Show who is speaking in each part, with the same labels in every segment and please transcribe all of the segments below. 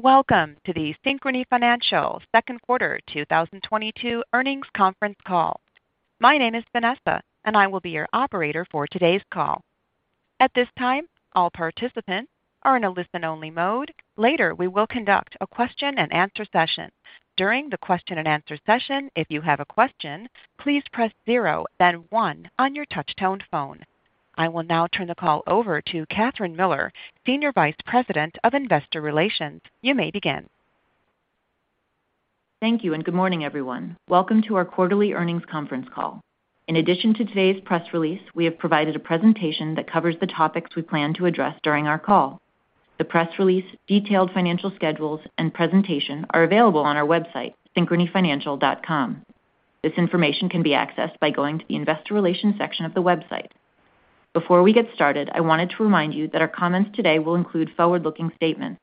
Speaker 1: Welcome to the Synchrony Financial second quarter 2022 earnings conference call. My name is Vanessa, and I will be your operator for today's call. At this time, all participants are in a listen-only mode. Later, we will conduct a question-and-answer session. During the question-and-answer session, if you have a question, please press zero, then one on your touchtone phone. I will now turn the call over to Kathryn Miller, Senior Vice President of Investor Relations. You may begin.
Speaker 2: Thank you, and good morning, everyone. Welcome to our quarterly earnings conference call. In addition to today's press release, we have provided a presentation that covers the topics we plan to address during our call. The press release, detailed financial schedules, and presentation are available on our website, synchronyfinancial.com. This information can be accessed by going to the Investor Relations section of the website. Before we get started, I wanted to remind you that our comments today will include forward-looking statements.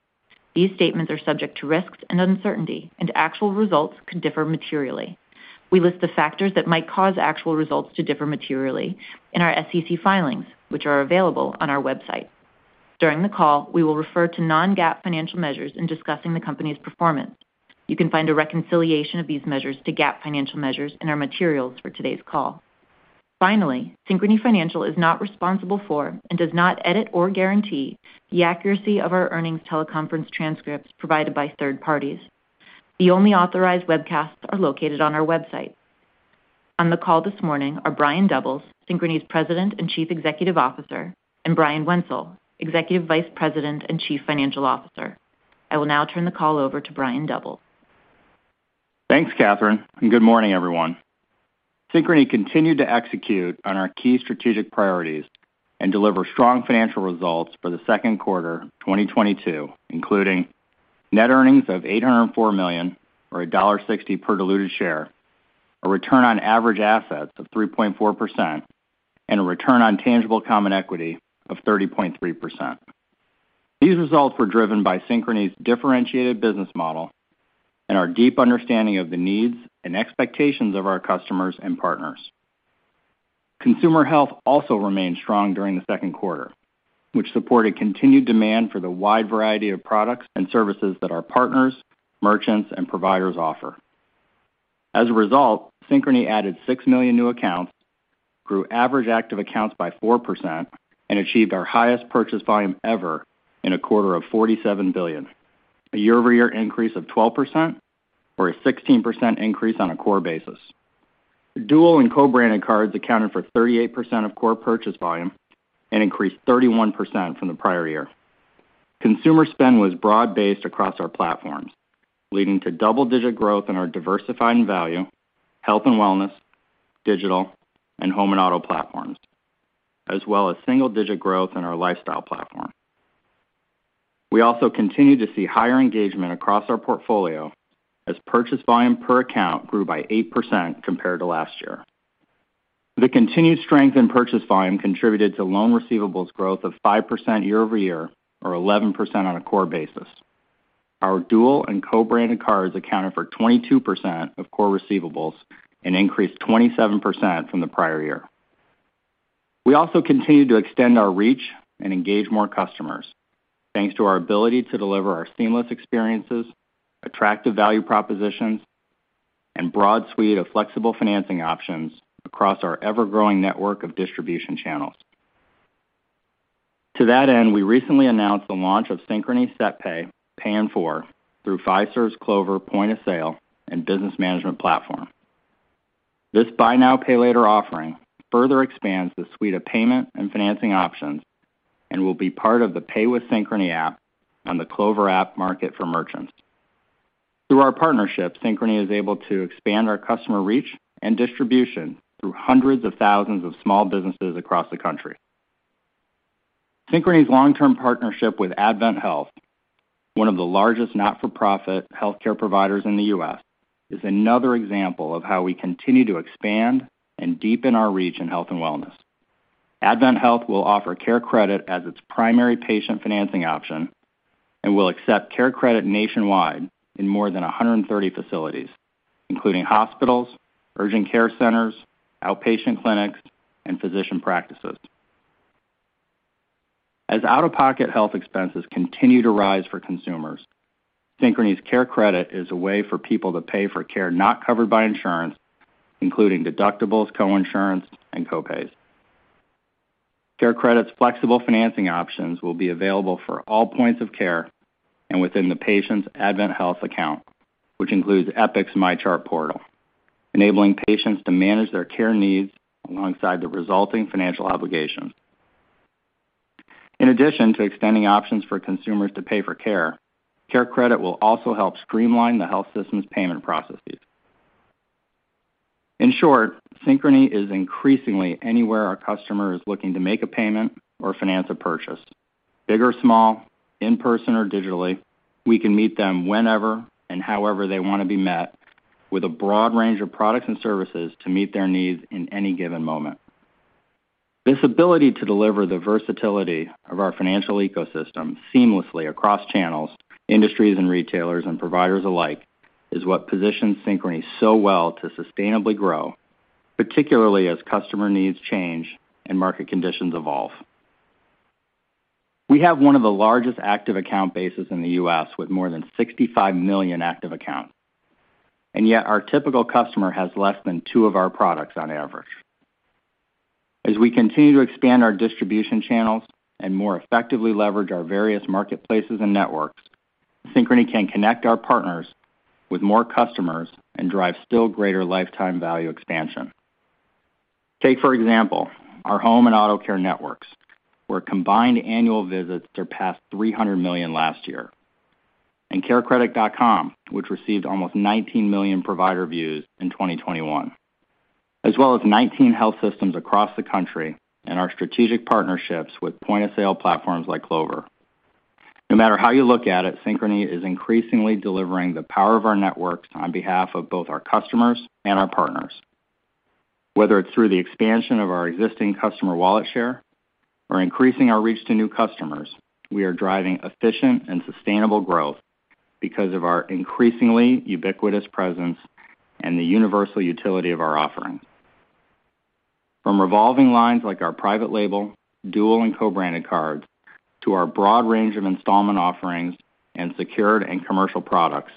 Speaker 2: These statements are subject to risks and uncertainty, and actual results could differ materially. We list the factors that might cause actual results to differ materially in our SEC filings, which are available on our website. During the call, we will refer to non-GAAP financial measures in discussing the company's performance. You can find a reconciliation of these measures to GAAP financial measures in our materials for today's call. Finally, Synchrony Financial is not responsible for, and does not edit or guarantee, the accuracy of our earnings teleconference transcripts provided by third parties. The only authorized webcasts are located on our website. On the call this morning are Brian Doubles, Synchrony's President and Chief Executive Officer, and Brian Wenzel, Executive Vice President and Chief Financial Officer. I will now turn the call over to Brian Doubles.
Speaker 3: Thanks, Kathryn, and good morning, everyone. Synchrony continued to execute on our key strategic priorities and deliver strong financial results for the second quarter 2022, including net earnings of $804 million or $1.60 per diluted share, a return on average assets of 3.4%, and a return on tangible common equity of 30.3%. These results were driven by Synchrony's differentiated business model and our deep understanding of the needs and expectations of our customers and partners. Consumer health also remained strong during the second quarter, which supported continued demand for the wide variety of products and services that our partners, merchants, and providers offer. As a result, Synchrony added 6 million new accounts, grew average active accounts by 4%, and achieved our highest purchase volume ever in a quarter of $47 billion, a year-over-year increase of 12% or a 16% increase on a core basis. Dual and co-branded cards accounted for 38% of core purchase volume and increased 31% from the prior year. Consumer spend was broad-based across our platforms, leading to double-digit growth in our Diversified & Value, health and wellness, digital, and home and auto platforms, as well as single-digit growth in our lifestyle platform. We also continued to see higher engagement across our portfolio as purchase volume per account grew by 8% compared to last year. The continued strength in purchase volume contributed to loan receivables growth of 5% year-over-year, or 11% on a core basis. Our dual and co-branded cards accounted for 22% of core receivables and increased 27% from the prior year. We also continued to extend our reach and engage more customers, thanks to our ability to deliver our seamless experiences, attractive value propositions, and broad suite of flexible financing options across our ever-growing network of distribution channels. To that end, we recently announced the launch of Synchrony SetPay, Pay in Four, through Fiserv's Clover point-of-sale and business management platform. This buy now, pay later offering further expands the suite of payment and financing options and will be part of the Pay with Synchrony app on the Clover App Market for merchants. Through our partnership, Synchrony is able to expand our customer reach and distribution through hundreds of thousands of small businesses across the country. Synchrony's long-term partnership with AdventHealth, one of the largest not-for-profit healthcare providers in the U.S., is another example of how we continue to expand and deepen our reach in health and wellness. AdventHealth will offer CareCredit as its primary patient financing option and will accept CareCredit nationwide in more than 130 facilities, including hospitals, urgent care centers, outpatient clinics, and physician practices. As out-of-pocket health expenses continue to rise for consumers, Synchrony's CareCredit is a way for people to pay for care not covered by insurance, including deductibles, coinsurance, and copays. CareCredit's flexible financing options will be available for all points of care and within the patient's AdventHealth account, which includes Epic's MyChart portal, enabling patients to manage their care needs alongside the resulting financial obligations. In addition to extending options for consumers to pay for care, CareCredit will also help streamline the health system's payment processes. In short, Synchrony is increasingly anywhere a customer is looking to make a payment or finance a purchase. Big or small, in person or digitally, we can meet them whenever and however they want to be met with a broad range of products and services to meet their needs in any given moment. This ability to deliver the versatility of our financial ecosystem seamlessly across channels, industries, and retailers, and providers alike, is what positions Synchrony so well to sustainably grow. Particularly as customer needs change and market conditions evolve. We have one of the largest active account bases in the U.S. with more than 65 million active accounts, and yet our typical customer has less than two of our products on average. As we continue to expand our distribution channels and more effectively leverage our various marketplaces and networks, Synchrony can connect our partners with more customers and drive still greater lifetime value expansion. Take, for example, our home and auto care networks, where combined annual visits surpassed 300 million last year. CareCredit.com, which received almost 19 million provider views in 2021, as well as 19 health systems across the country and our strategic partnerships with point-of-sale platforms like Clover. No matter how you look at it, Synchrony is increasingly delivering the power of our networks on behalf of both our customers and our partners. Whether it's through the expansion of our existing customer wallet share or increasing our reach to new customers, we are driving efficient and sustainable growth because of our increasingly ubiquitous presence and the universal utility of our offerings. From revolving lines like our private label, dual and co-branded cards, to our broad range of installment offerings and secured and commercial products,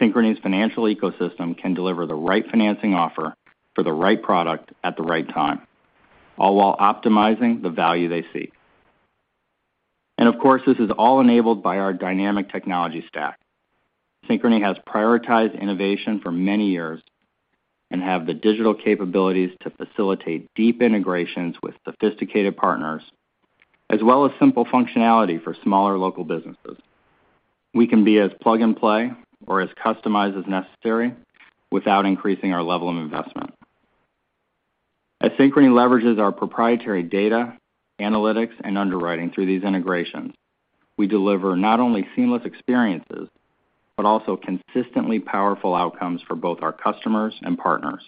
Speaker 3: Synchrony's financial ecosystem can deliver the right financing offer for the right product at the right time, all while optimizing the value they seek. Of course, this is all enabled by our dynamic technology stack. Synchrony has prioritized innovation for many years and have the digital capabilities to facilitate deep integrations with sophisticated partners, as well as simple functionality for smaller local businesses. We can be as plug-and-play or as customized as necessary without increasing our level of investment. As Synchrony leverages our proprietary data, analytics, and underwriting through these integrations, we deliver not only seamless experiences, but also consistently powerful outcomes for both our customers and partners.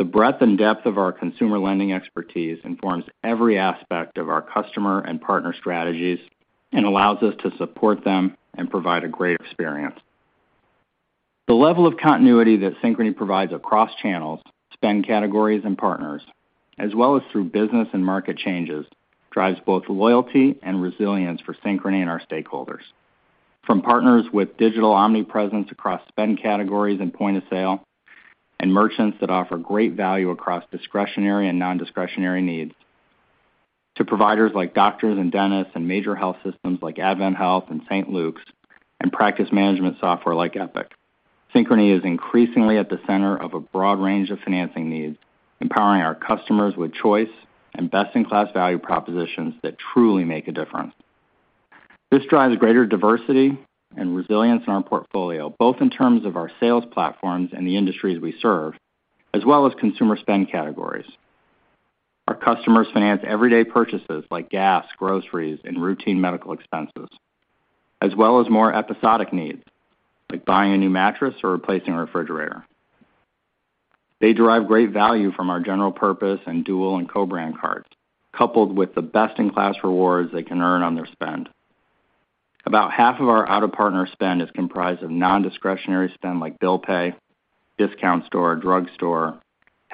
Speaker 3: The breadth and depth of our consumer lending expertise informs every aspect of our customer and partner strategies and allows us to support them and provide a great experience. The level of continuity that Synchrony provides across channels, spend categories and partners, as well as through business and market changes, drives both loyalty and resilience for Synchrony and our stakeholders. From partners with digital omnipresence across spend categories and point of sale, and merchants that offer great value across discretionary and non-discretionary needs, to providers like doctors and dentists and major health systems like AdventHealth and St. Luke's and practice management software like Epic. Synchrony is increasingly at the center of a broad range of financing needs, empowering our customers with choice and best-in-class value propositions that truly make a difference. This drives greater diversity and resilience in our portfolio, both in terms of our sales platforms and the industries we serve, as well as consumer spend categories. Our customers finance everyday purchases like gas, groceries, and routine medical expenses, as well as more episodic needs like buying a new mattress or replacing a refrigerator. They derive great value from our general purpose and dual and co-brand cards, coupled with the best-in-class rewards they can earn on their spend. About half of our out-of-partner spend is comprised of non-discretionary spend like bill pay, discount store, drugstore,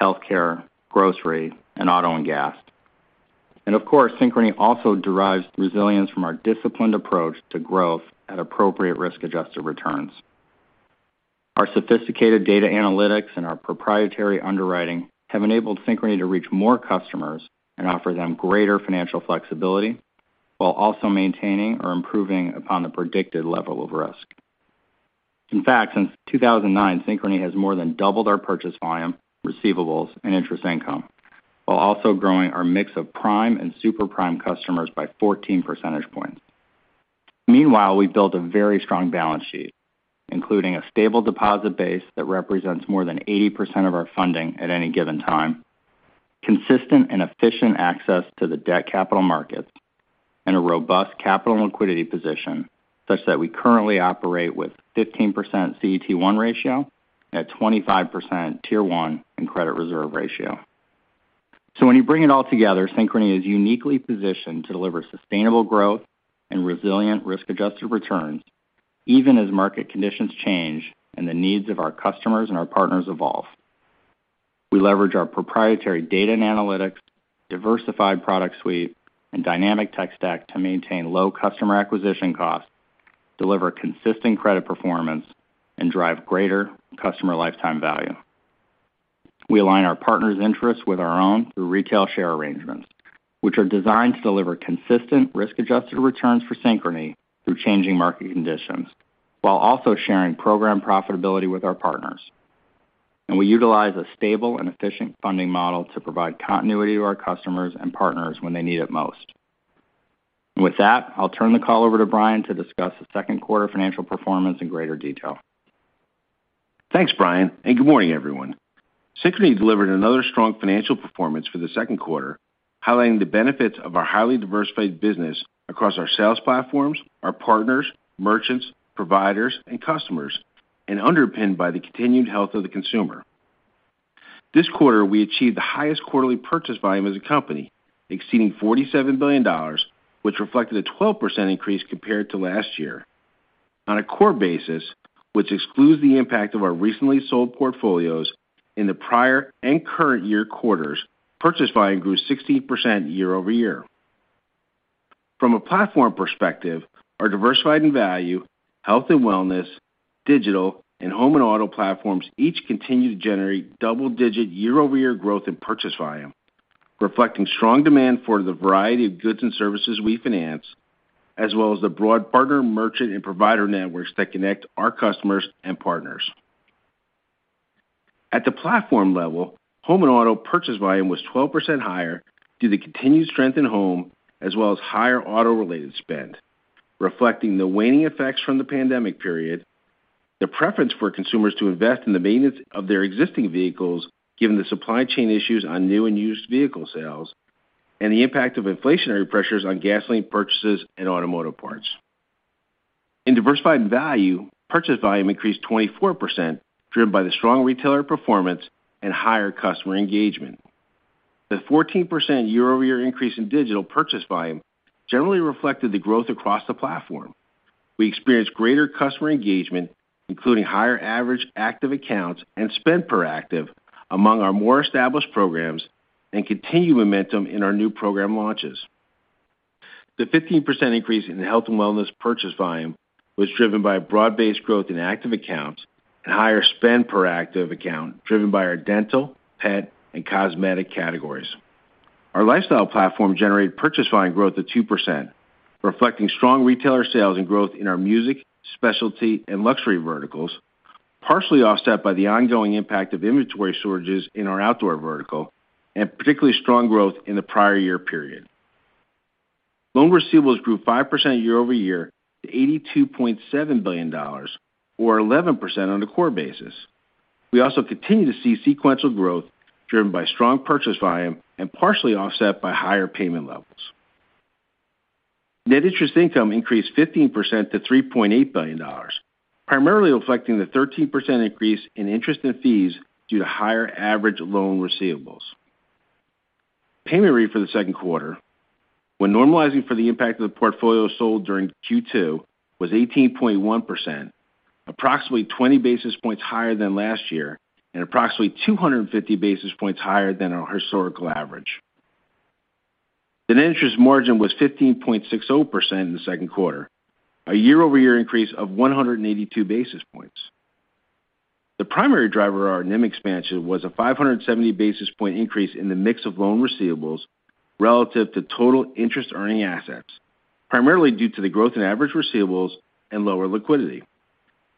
Speaker 3: healthcare, grocery, and auto and gas. Of course, Synchrony also derives resilience from our disciplined approach to growth at appropriate risk-adjusted returns. Our sophisticated data analytics and our proprietary underwriting have enabled Synchrony to reach more customers and offer them greater financial flexibility while also maintaining or improving upon the predicted level of risk. In fact, since 2009, Synchrony has more than doubled our purchase volume, receivables, and interest income, while also growing our mix of prime and super prime customers by 14 percentage points. Meanwhile, we've built a very strong balance sheet, including a stable deposit base that represents more than 80% of our funding at any given time, consistent and efficient access to the debt capital markets, and a robust capital and liquidity position, such that we currently operate with 15% CET1 ratio and a 25% Tier 1 and credit reserve ratio. When you bring it all together, Synchrony is uniquely positioned to deliver sustainable growth and resilient risk-adjusted returns even as market conditions change and the needs of our customers and our partners evolve. We leverage our proprietary data and analytics, diversified product suite, and dynamic tech stack to maintain low customer acquisition costs, deliver consistent credit performance, and drive greater customer lifetime value. We align our partners' interests with our own through retail share arrangements, which are designed to deliver consistent risk-adjusted returns for Synchrony through changing market conditions, while also sharing program profitability with our partners. We utilize a stable and efficient funding model to provide continuity to our customers and partners when they need it most. With that, I'll turn the call over to Brian to discuss the second quarter financial performance in greater detail.
Speaker 4: Thanks, Brian, and good morning, everyone. Synchrony delivered another strong financial performance for the second quarter, highlighting the benefits of our highly diversified business across our sales platforms, our partners, merchants, providers, and customers, and underpinned by the continued health of the consumer. This quarter, we achieved the highest quarterly purchase volume as a company, exceeding $47 billion, which reflected a 12% increase compared to last year. On a core basis, which excludes the impact of our recently sold portfolios in the prior and current year quarters, purchase volume grew 16% year-over-year. From a platform perspective, our Diversified and Value, Health and Wellness, Digital, and Home and Auto platforms each continue to generate double-digit year-over-year growth in purchase volume, reflecting strong demand for the variety of goods and services we finance, as well as the broad partner, merchant, and provider networks that connect our customers and partners. At the platform level, Home and Auto purchase volume was 12% higher due to continued strength in home as well as higher auto-related spend, reflecting the waning effects from the pandemic period, the preference for consumers to invest in the maintenance of their existing vehicles given the supply chain issues on new and used vehicle sales, and the impact of inflationary pressures on gasoline purchases and automotive parts. In Diversified & Value, purchase volume increased 24%, driven by the strong retailer performance and higher customer engagement. The 14% year-over-year increase in digital purchase volume generally reflected the growth across the platform. We experienced greater customer engagement, including higher average active accounts and spend per active among our more established programs and continued momentum in our new program launches. The 15% increase in the health and wellness purchase volume was driven by a broad-based growth in active accounts and higher spend per active account, driven by our dental, pet, and cosmetic categories. Our lifestyle platform generated purchase volume growth of 2%, reflecting strong retailer sales and growth in our music, specialty, and luxury verticals, partially offset by the ongoing impact of inventory shortages in our outdoor vertical and particularly strong growth in the prior year period. Loan receivables grew 5% year-over-year to $82.7 billion or 11% on a core basis. We also continue to see sequential growth driven by strong purchase volume and partially offset by higher payment levels. Net interest income increased 15% to $3.8 billion, primarily reflecting the 13% increase in interest and fees due to higher average loan receivables. Payment rate for the second quarter, when normalizing for the impact of the portfolio sold during Q2, was 18.1%, approximately 20 basis points higher than last year and approximately 250 basis points higher than our historical average. The net interest margin was 15.60% in the second quarter, a year-over-year increase of 182 basis points. The primary driver of our NIM expansion was a 570 basis point increase in the mix of loan receivables relative to total interest-earning assets, primarily due to the growth in average receivables and lower liquidity.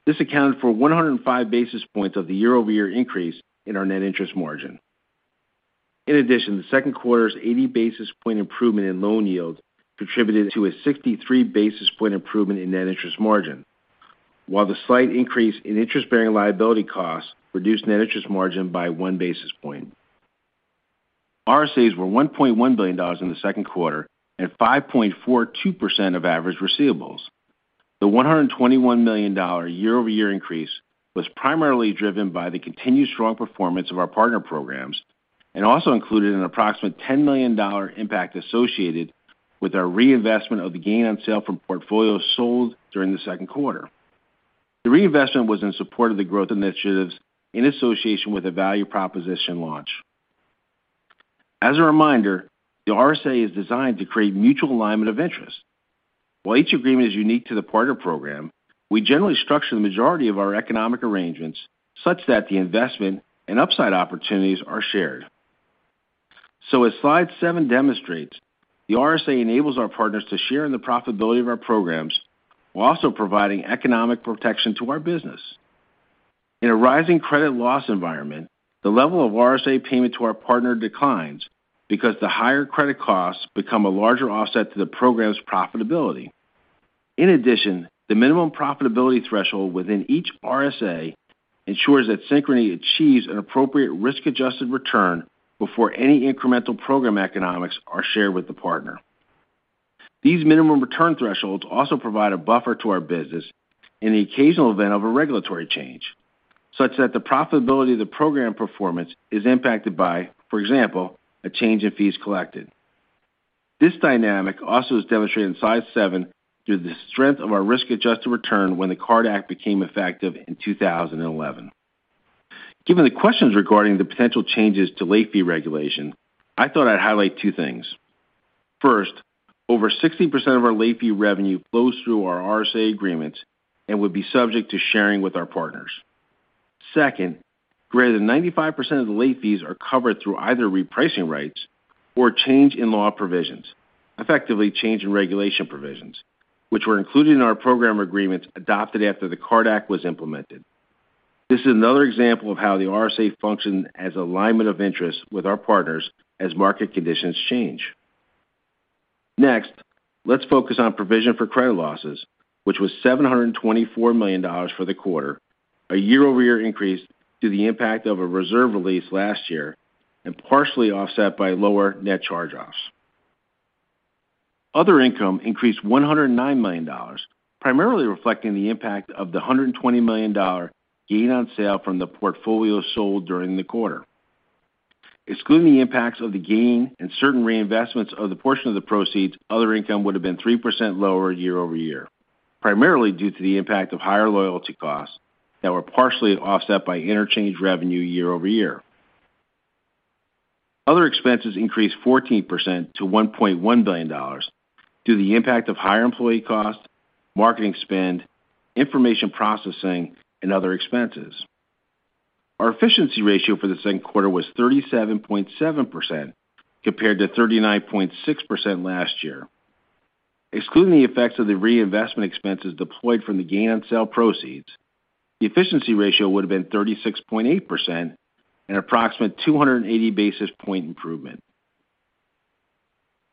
Speaker 4: This accounted for 105 basis points of the year-over-year increase in our net interest margin. In addition, the second quarter's 80 basis point improvement in loan yield contributed to a 63 basis point improvement in net interest margin, while the slight increase in interest-bearing liability costs reduced net interest margin by 1 basis point. RSAs were $1.1 billion in the second quarter and 5.42% of average receivables. The $121 million year-over-year increase was primarily driven by the continued strong performance of our partner programs and also included an approximate $10 million impact associated with our reinvestment of the gain on sale from portfolios sold during the second quarter. The reinvestment was in support of the growth initiatives in association with a value proposition launch. As a reminder, the RSA is designed to create mutual alignment of interest. While each agreement is unique to the partner program, we generally structure the majority of our economic arrangements such that the investment and upside opportunities are shared. As slide seven demonstrates, the RSA enables our partners to share in the profitability of our programs while also providing economic protection to our business. In a rising credit loss environment, the level of RSA payment to our partner declines because the higher credit costs become a larger offset to the program's profitability. In addition, the minimum profitability threshold within each RSA ensures that Synchrony achieves an appropriate risk-adjusted return before any incremental program economics are shared with the partner. These minimum return thresholds also provide a buffer to our business in the occasional event of a regulatory change, such that the profitability of the program performance is impacted by, for example, a change in fees collected. This dynamic also is demonstrated in slide seven through the strength of our risk-adjusted return when the CARD Act became effective in 2011. Given the questions regarding the potential changes to late fee regulation, I thought I'd highlight two things. First, over 60% of our late fee revenue flows through our RSA agreements and would be subject to sharing with our partners. Second, greater than 95% of the late fees are covered through either repricing rights or change in law provisions, effectively change in regulation provisions, which were included in our program agreements adopted after the Card Act was implemented. This is another example of how the RSA functioned as alignment of interest with our partners as market conditions change. Next, let's focus on provision for credit losses, which was $724 million for the quarter, a year-over-year increase due to the impact of a reserve release last year and partially offset by lower net charge-offs. Other income increased $109 million, primarily reflecting the impact of the $120 million gain on sale from the portfolio sold during the quarter. Excluding the impacts of the gain and certain reinvestments of the portion of the proceeds, other income would have been 3% lower year-over-year, primarily due to the impact of higher loyalty costs that were partially offset by interchange revenue year-over-year. Other expenses increased 14% to $1.1 billion due to the impact of higher employee costs, marketing spend, information processing, and other expenses. Our efficiency ratio for the second quarter was 37.7% compared to 39.6% last year. Excluding the effects of the reinvestment expenses deployed from the gain on sale proceeds, the efficiency ratio would have been 36.8%, an approximate 280 basis points improvement.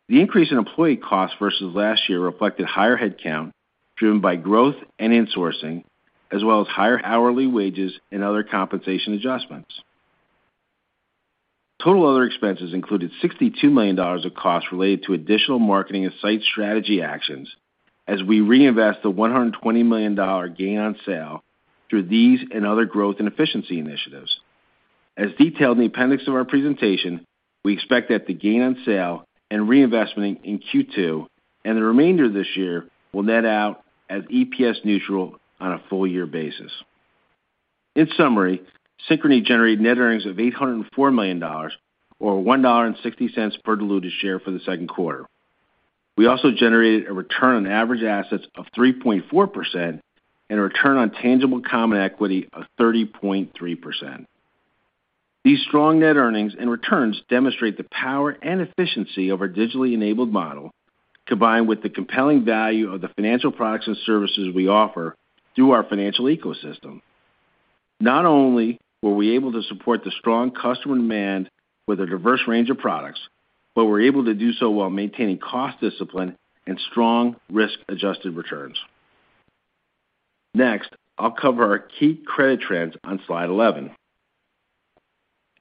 Speaker 4: The increase in employee costs versus last year reflected higher headcount driven by growth and insourcing, as well as higher hourly wages and other compensation adjustments. Total other expenses included $62 million of costs related to additional marketing and site strategy actions as we reinvest the $120 million gain on sale through these and other growth and efficiency initiatives. As detailed in the appendix of our presentation, we expect that the gain on sale and reinvestment in Q2 and the remainder of this year will net out as EPS neutral on a full-year basis. In summary, Synchrony generated net earnings of $804 million or $1.60 per diluted share for the second quarter. We also generated a return on average assets of 3.4% and a return on tangible common equity of 30.3%. These strong net earnings and returns demonstrate the power and efficiency of our digitally enabled model combined with the compelling value of the financial products and services we offer through our financial ecosystem. Not only were we able to support the strong customer demand with a diverse range of products, but we're able to do so while maintaining cost discipline and strong risk-adjusted returns. Next, I'll cover our key credit trends on slide 11.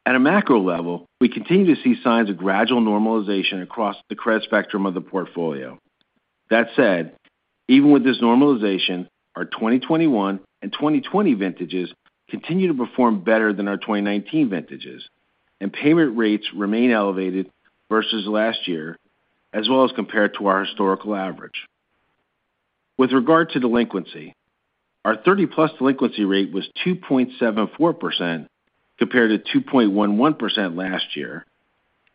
Speaker 4: At a macro level, we continue to see signs of gradual normalization across the credit spectrum of the portfolio. That said, even with this normalization, our 2021 and 2020 vintages continue to perform better than our 2019 vintages and payment rates remain elevated versus last year as well as compared to our historical average. With regard to delinquency, our 30+ delinquency rate was 2.74% compared to 2.11% last year,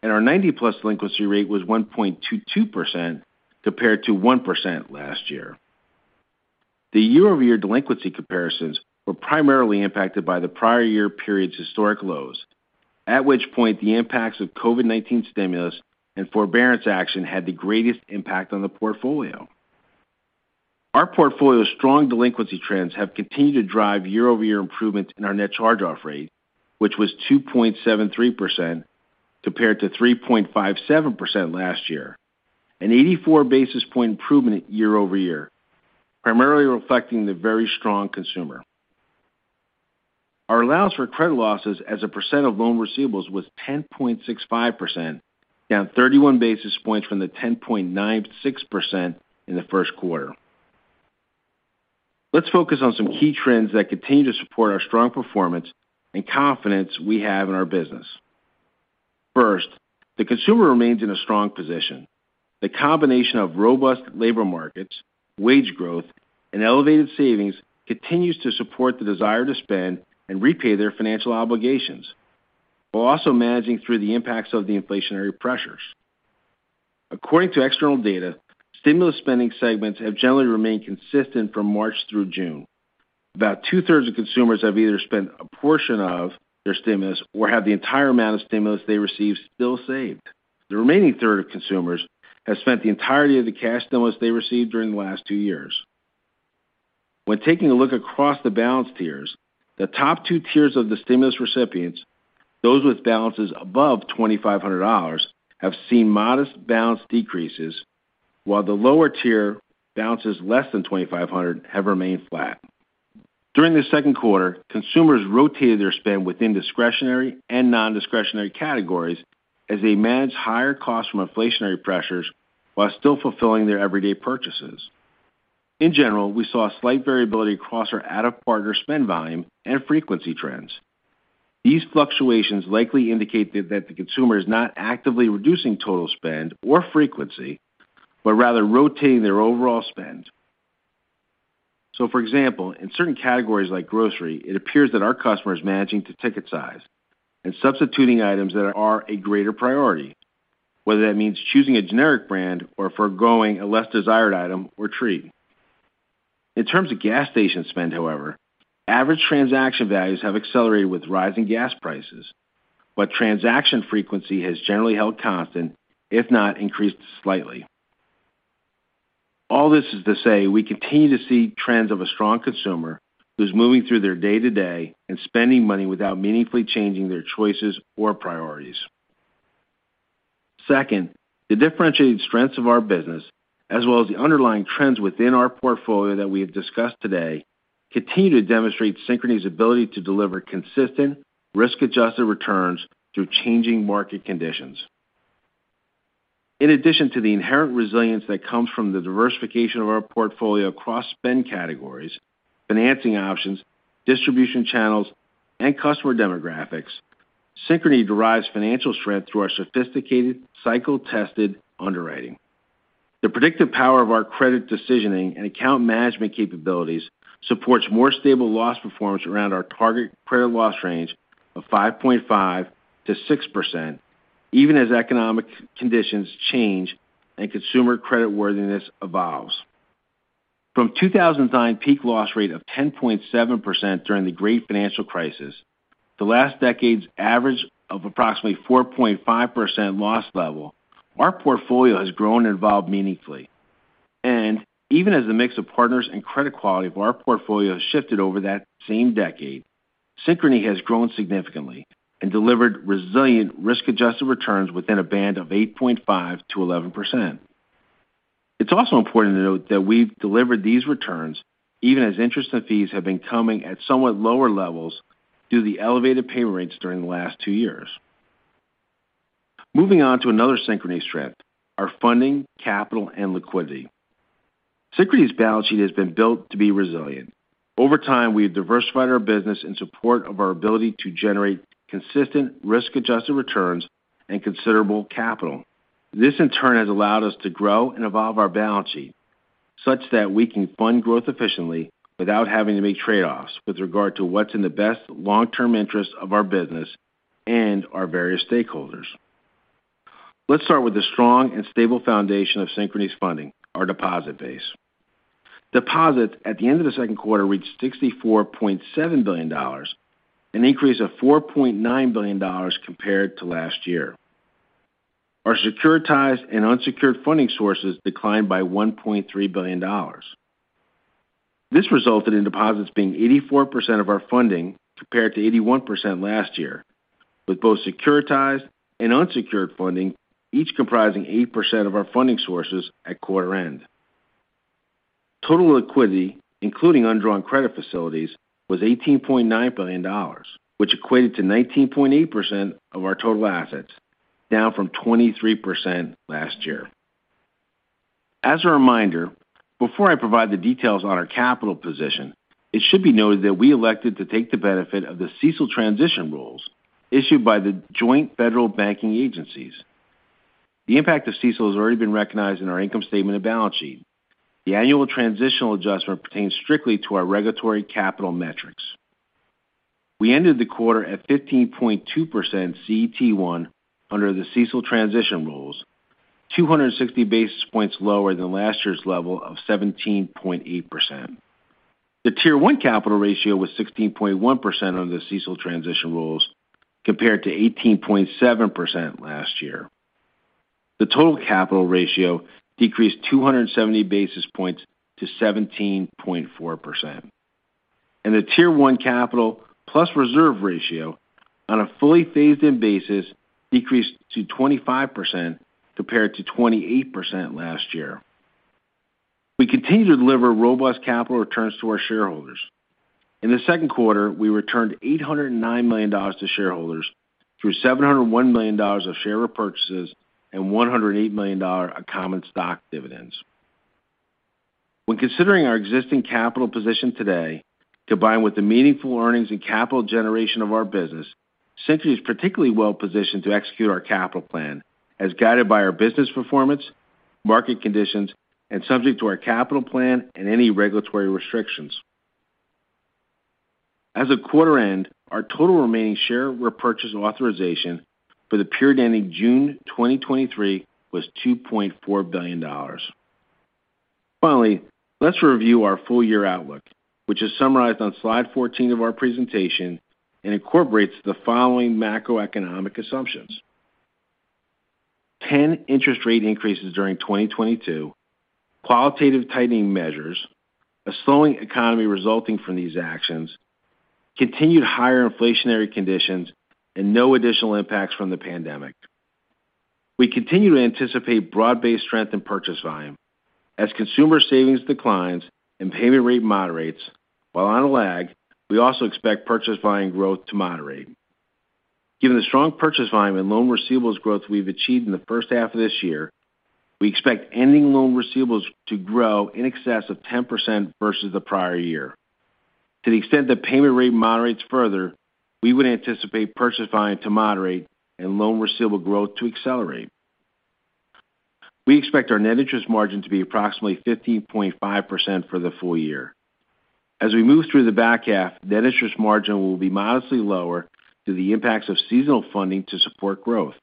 Speaker 4: and our 90+ delinquency rate was 1.22% compared to 1% last year. The year-over-year delinquency comparisons were primarily impacted by the prior year period's historic lows, at which point the impacts of COVID-19 stimulus and forbearance action had the greatest impact on the portfolio. Our portfolio's strong delinquency trends have continued to drive year-over-year improvement in our net charge-off rate, which was 2.73% compared to 3.57% last year, an 84 basis point improvement year-over-year, primarily reflecting the very strong consumer. Our allowance for credit losses as a percent of loan receivables was 10.65%, down 31 basis points from the 10.96% in the first quarter. Let's focus on some key trends that continue to support our strong performance and confidence we have in our business. First, the consumer remains in a strong position. The combination of robust labor markets, wage growth, and elevated savings continues to support the desire to spend and repay their financial obligations while also managing through the impacts of the inflationary pressures. According to external data, stimulus spending segments have generally remained consistent from March through June. About 2/3 of consumers have either spent a portion of their stimulus or have the entire amount of stimulus they received still saved. The remaining third of consumers have spent the entirety of the cash stimulus they received during the last two years. When taking a look across the balance tiers, the top two tiers of the stimulus recipients, those with balances above $2,500, have seen modest balance decreases, while the lower tier balances less than $2,500 have remained flat. During the second quarter, consumers rotated their spend within discretionary and non-discretionary categories as they managed higher costs from inflationary pressures while still fulfilling their everyday purchases. In general, we saw slight variability across our out-of-quarter spend volume and frequency trends. These fluctuations likely indicate that the consumer is not actively reducing total spend or frequency, but rather rotating their overall spend. For example, in certain categories like grocery, it appears that our customer is managing to ticket size and substituting items that are a greater priority, whether that means choosing a generic brand or forgoing a less desired item or treat. In terms of gas station spend, however, average transaction values have accelerated with rising gas prices, but transaction frequency has generally held constant, if not increased slightly. All this is to say we continue to see trends of a strong consumer who's moving through their day-to-day and spending money without meaningfully changing their choices or priorities. Second, the differentiated strengths of our business, as well as the underlying trends within our portfolio that we have discussed today, continue to demonstrate Synchrony's ability to deliver consistent risk-adjusted returns through changing market conditions. In addition to the inherent resilience that comes from the diversification of our portfolio across spend categories, financing options, distribution channels, and customer demographics, Synchrony derives financial strength through our sophisticated cycle-tested underwriting. The predictive power of our credit decisioning and account management capabilities supports more stable loss performance around our target credit loss range of 5.5%-6%, even as economic conditions change and consumer creditworthiness evolves. From 2009 peak loss rate of 10.7% during the great financial crisis, the last decade's average of approximately 4.5% loss level, our portfolio has grown and evolved meaningfully. Even as the mix of partners and credit quality of our portfolio has shifted over that same decade, Synchrony has grown significantly and delivered resilient risk-adjusted returns within a band of 8.5%-11%. It's also important to note that we've delivered these returns even as interest and fees have been coming at somewhat lower levels due to the elevated payment rates during the last two years. Moving on to another Synchrony strength, our funding, capital, and liquidity. Synchrony's balance sheet has been built to be resilient. Over time, we have diversified our business in support of our ability to generate consistent risk-adjusted returns and considerable capital. This, in turn, has allowed us to grow and evolve our balance sheet such that we can fund growth efficiently without having to make trade-offs with regard to what's in the best long-term interest of our business and our various stakeholders. Let's start with the strong and stable foundation of Synchrony's funding, our deposit base. Deposits at the end of the second quarter reached $64.7 billion, an increase of $4.9 billion compared to last year. Our securitized and unsecured funding sources declined by $1.3 billion. This resulted in deposits being 84% of our funding compared to 81% last year, with both securitized and unsecured funding each comprising 8% of our funding sources at quarter end. Total liquidity, including undrawn credit facilities, was $18.9 billion, which equated to 19.8% of our total assets, down from 23% last year. As a reminder, before I provide the details on our capital position, it should be noted that we elected to take the benefit of the CECL transition rules issued by the joint federal banking agencies. The impact of CECL has already been recognized in our income statement and balance sheet. The annual transitional adjustment pertains strictly to our regulatory capital metrics. We ended the quarter at 15.2% CET1 under the CECL transition rules, 260 basis points lower than last year's level of 17.8%. The Tier One capital ratio was 16.1% under the CECL transition rules compared to 18.7% last year. The total capital ratio decreased 270 basis points to 17.4%. The Tier 1 capital plus reserve ratio on a fully phased-in basis decreased to 25% compared to 28% last year. We continue to deliver robust capital returns to our shareholders. In the second quarter, we returned $809 million to shareholders through $701 million of share repurchases and $108 million of common stock dividends. When considering our existing capital position today, combined with the meaningful earnings and capital generation of our business, Synchrony is particularly well positioned to execute our capital plan as guided by our business performance, market conditions, and subject to our capital plan and any regulatory restrictions. As of quarter end, our total remaining share repurchase authorization for the period ending June 2023 was $2.4 billion. Finally, let's review our full year outlook, which is summarized on slide 14 of our presentation and incorporates the following macroeconomic assumptions. 10 interest rate increases during 2022, qualitative tightening measures, a slowing economy resulting from these actions, continued higher inflationary conditions, and no additional impacts from the pandemic. We continue to anticipate broad-based strength in purchase volume. As consumer savings declines and payment rate moderates, while on a lag, we also expect purchase volume growth to moderate. Given the strong purchase volume and loan receivables growth we've achieved in the first half of this year, we expect ending loan receivables to grow in excess of 10% versus the prior year. To the extent that payment rate moderates further, we would anticipate purchase volume to moderate and loan receivable growth to accelerate. We expect our net interest margin to be approximately 15.5% for the full year. As we move through the back half, net interest margin will be modestly lower due to the impacts of seasonal funding to support growth.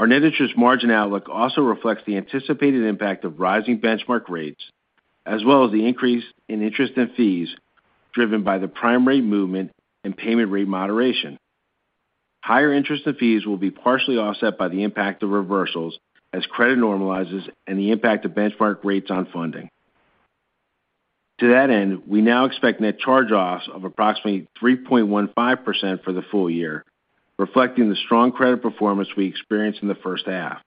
Speaker 4: Our net interest margin outlook also reflects the anticipated impact of rising benchmark rates as well as the increase in interest and fees driven by the prime rate movement and payment rate moderation. Higher interest and fees will be partially offset by the impact of reversals as credit normalizes and the impact of benchmark rates on funding. To that end, we now expect net charge-offs of approximately 3.15% for the full year, reflecting the strong credit performance we experienced in the first half.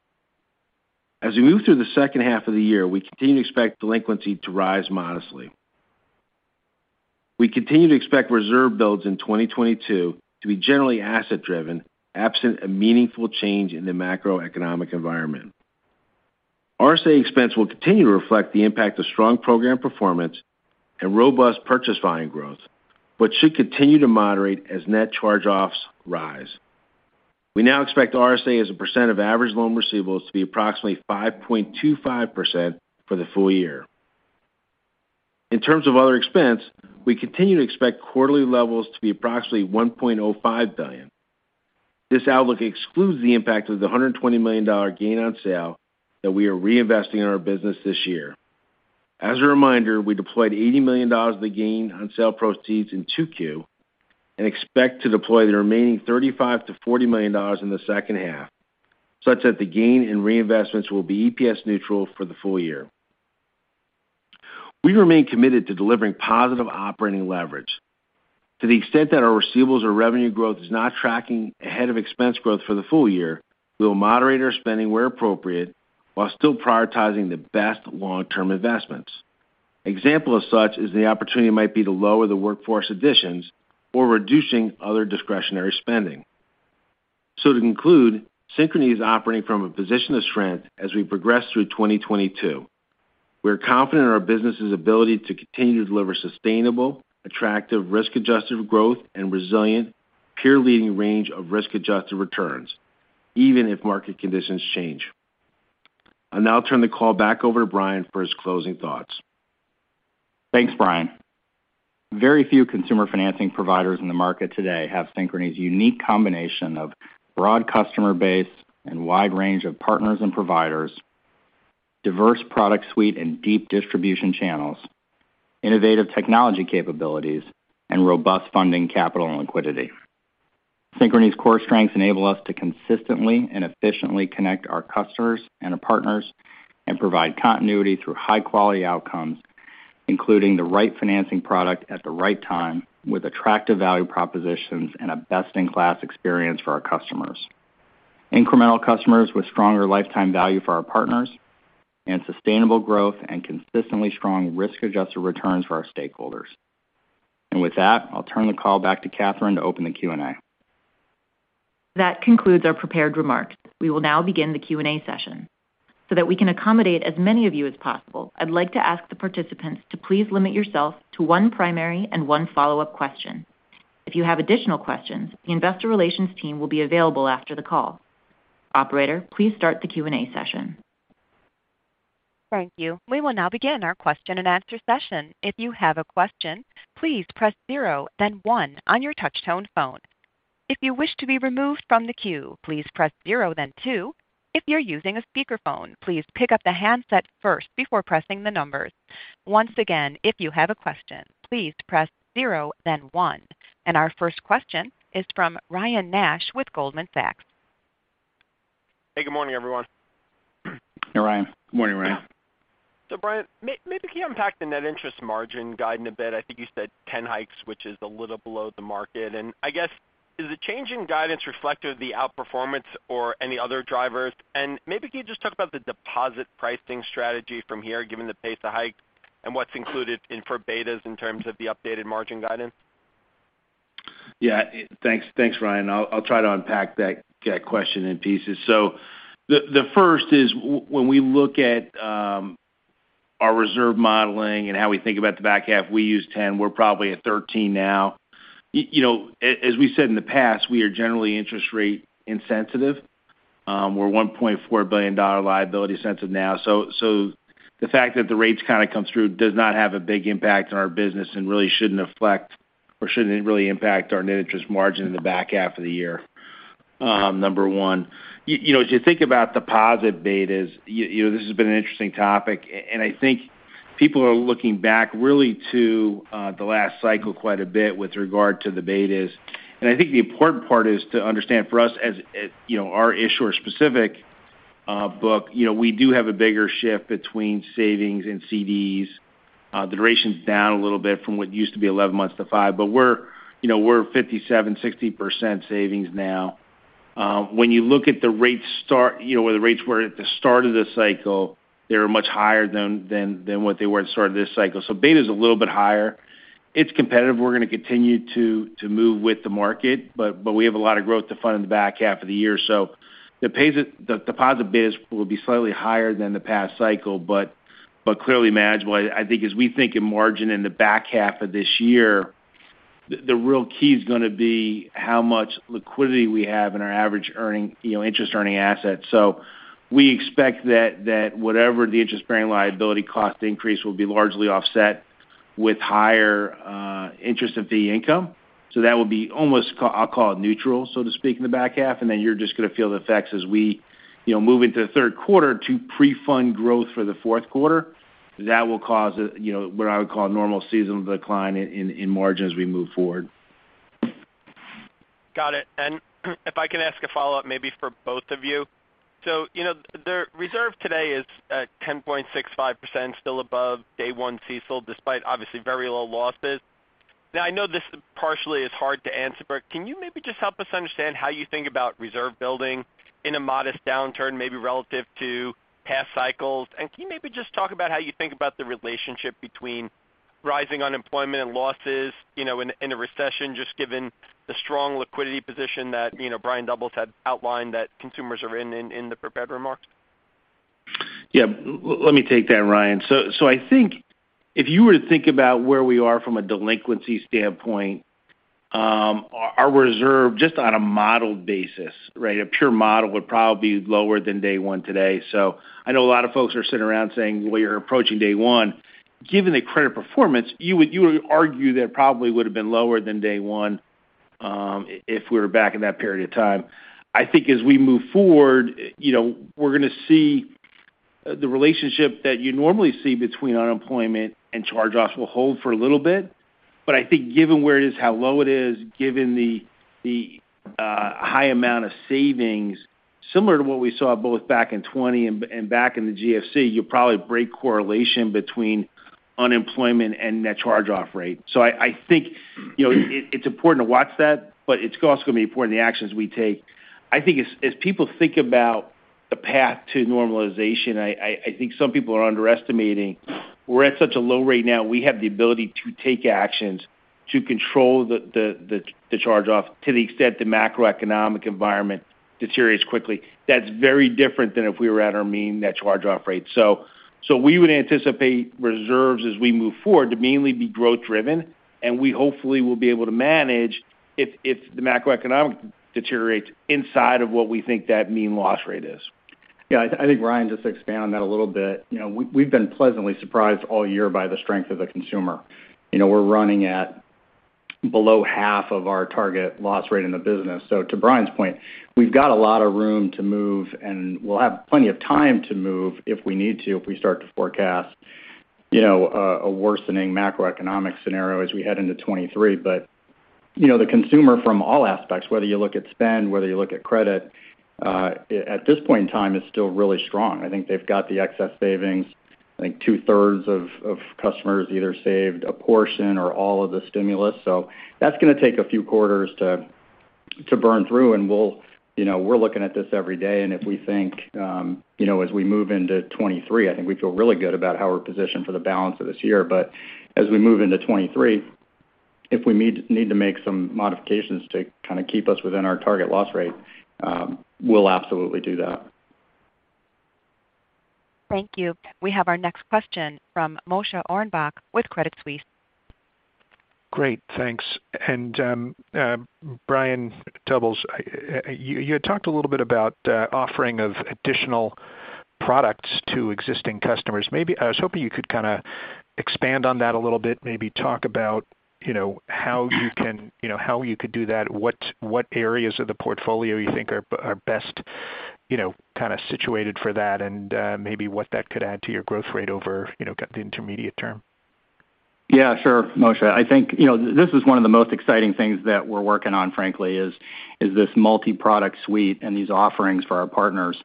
Speaker 4: As we move through the second half of the year, we continue to expect delinquency to rise modestly. We continue to expect reserve builds in 2022 to be generally asset driven, absent a meaningful change in the macroeconomic environment. RSA expense will continue to reflect the impact of strong program performance and robust purchase volume growth, but should continue to moderate as net charge-offs rise. We now expect RSA as a percent of average loan receivables to be approximately 5.25% for the full year. In terms of other expense, we continue to expect quarterly levels to be approximately $1.05 billion. This outlook excludes the impact of the $120 million gain on sale that we are reinvesting in our business this year. As a reminder, we deployed $80 million of the gain on sale proceeds in 2Q and expect to deploy the remaining $35 million-$40 million in the second half, such that the gain in reinvestments will be EPS neutral for the full year. We remain committed to delivering positive operating leverage. To the extent that our receivables or revenue growth is not tracking ahead of expense growth for the full year, we will moderate our spending where appropriate while still prioritizing the best long-term investments. Example of such is the opportunity might be to lower the workforce additions or reducing other discretionary spending. To conclude, Synchrony is operating from a position of strength as we progress through 2022. We're confident in our business's ability to continue to deliver sustainable, attractive risk-adjusted growth and resilient peer-leading range of risk-adjusted returns, even if market conditions change. I'll now turn the call back over to Brian for his closing thoughts.
Speaker 3: Thanks, Brian. Very few consumer financing providers in the market today have Synchrony's unique combination of broad customer base and wide range of partners and providers, diverse product suite and deep distribution channels, innovative technology capabilities, and robust funding capital and liquidity. Synchrony's core strengths enable us to consistently and efficiently connect our customers and our partners and provide continuity through high-quality outcomes, including the right financing product at the right time with attractive value propositions and a best-in-class experience for our customers, incremental customers with stronger lifetime value for our partners, and sustainable growth and consistently strong risk-adjusted returns for our stakeholders. With that, I'll turn the call back to Kathryn to open the Q&A.
Speaker 2: That concludes our prepared remarks. We will now begin the Q&A session. That we can accommodate as many of you as possible, I'd like to ask the participants to please limit yourself to one primary and one follow-up question. If you have additional questions, the investor relations team will be available after the call. Operator, please start the Q&A session.
Speaker 1: Thank you. We will now begin our question-and-answer session. If you have a question, please press zero, then one on your touch-tone phone. If you wish to be removed from the queue, please press zero, then two. If you're using a speakerphone, please pick up the handset first before pressing the numbers. Once again, if you have a question, please press zero, then one. Our first question is from Ryan Nash with Goldman Sachs.
Speaker 5: Hey, good morning, everyone.
Speaker 3: Hey, Ryan. Good morning, Ryan.
Speaker 5: Brian, maybe can you unpack the net interest margin guide in a bit? I think you said 10 hikes, which is a little below the market. I guess, is the change in guidance reflective of the outperformance or any other drivers? Maybe can you just talk about the deposit pricing strategy from here, given the pace of hikes and what's included in the betas in terms of the updated margin guidance?
Speaker 4: Yeah. Thanks. Thanks, Ryan. I'll try to unpack that question in pieces. The first is when we look at our reserve modeling and how we think about the back half, we use 10. We're probably at 13 now. You know, as we said in the past, we are generally interest rate insensitive. We're $1.4 billion-dollar liability sensitive now. The fact that the rates kind of come through does not have a big impact on our business and really shouldn't affect or shouldn't really impact our net interest margin in the back half of the year, number one. You know, as you think about deposit betas, you know, this has been an interesting topic, and I think people are looking back really to the last cycle quite a bit with regard to the betas. I think the important part is to understand for us, you know, our issuer-specific book, you know, we do have a bigger shift between savings and CDs. The duration's down a little bit from what used to be 11 months to five. We're, you know, we're 57%-60% savings now. When you look at the rates, you know, where the rates were at the start of the cycle, they were much higher than what they were at the start of this cycle. Beta's a little bit higher. It's competitive. We're gonna continue to move with the market, but we have a lot of growth to fund in the back half of the year. The deposit betas will be slightly higher than the past cycle but clearly manageable. I think as we think about margin in the back half of this year, the real key is gonna be how much liquidity we have in our average earning, you know, interest earning assets. We expect that whatever the interest-bearing liability cost increase will be largely offset with higher interest and fee income. That will be almost I'll call it neutral, so to speak, in the back half. You're just going to feel the effects as we, you know, move into the third quarter to pre-fund growth for the fourth quarter. That will cause a, you know, what I would call a normal seasonal decline in margin as we move forward.
Speaker 5: Got it. If I can ask a follow-up maybe for both of you. You know, the reserve today is at 10.65%, still above day one CECL, despite obviously very low losses. Now I know this partially is hard to answer, but can you maybe just help us understand how you think about reserve building in a modest downturn, maybe relative to past cycles? Can you maybe just talk about how you think about the relationship between rising unemployment and losses, you know, in a recession, just given the strong liquidity position that, you know, Brian Doubles had outlined that consumers are in the prepared remarks?
Speaker 4: Yeah. Let me take that, Ryan. I think if you were to think about where we are from a delinquency standpoint, our reserve just on a modeled basis, right? A pure model would probably be lower than day one today. I know a lot of folks are sitting around saying, "Well, you're approaching day one." Given the credit performance, you would argue that it probably would've been lower than day one, if we were back in that period of time. I think as we move forward, you know, we're gonna see the relationship that you normally see between unemployment and charge-offs will hold for a little bit. I think given where it is, how low it is, given the high amount of savings, similar to what we saw both back in 2020 and back in the GFC, you'll probably break correlation between unemployment and net charge-off rate. I think, you know, it's important to watch that, but it's also gonna be important the actions we take. I think as people think about the path to normalization, I think some people are underestimating we're at such a low rate now, we have the ability to take actions to control the charge-off to the extent the macroeconomic environment deteriorates quickly. That's very different than if we were at our mean net charge-off rate. We would anticipate reserves as we move forward to mainly be growth driven, and we hopefully will be able to manage if the macroeconomic deteriorates inside of what we think that mean loss rate is.
Speaker 3: Yeah. I think Ryan just to expand on that a little bit. You know, we've been pleasantly surprised all year by the strength of the consumer. You know, we're running at below half of our target loss rate in the business. To Brian's point, we've got a lot of room to move, and we'll have plenty of time to move if we need to, if we start to forecast, you know, a worsening macroeconomic scenario as we head into 2023. You know, the consumer from all aspects, whether you look at spend, whether you look at credit, at this point in time is still really strong. I think they've got the excess savings. I think 2/3 of customers either saved a portion or all of the stimulus. That's gonna take a few quarters to burn through. We'll, you know, we're looking at this every day, and if we think, you know, as we move into 2023, I think we feel really good about how we're positioned for the balance of this year. As we move into 2023, if we need to make some modifications to kind of keep us within our target loss rate, we'll absolutely do that.
Speaker 1: Thank you. We have our next question from Moshe Orenbuch with Credit Suisse.
Speaker 6: Great. Thanks. Brian Doubles, you had talked a little bit about offering of additional products to existing customers. Maybe I was hoping you could kinda expand on that a little bit, maybe talk about, you know, how you can, you know, how you could do that, what areas of the portfolio you think are best, you know, kind of situated for that, and maybe what that could add to your growth rate over, you know, the intermediate term.
Speaker 3: Yeah, sure, Moshe. I think, you know, this is one of the most exciting things that we're working on, frankly, is this multi-product suite and these offerings for our partners.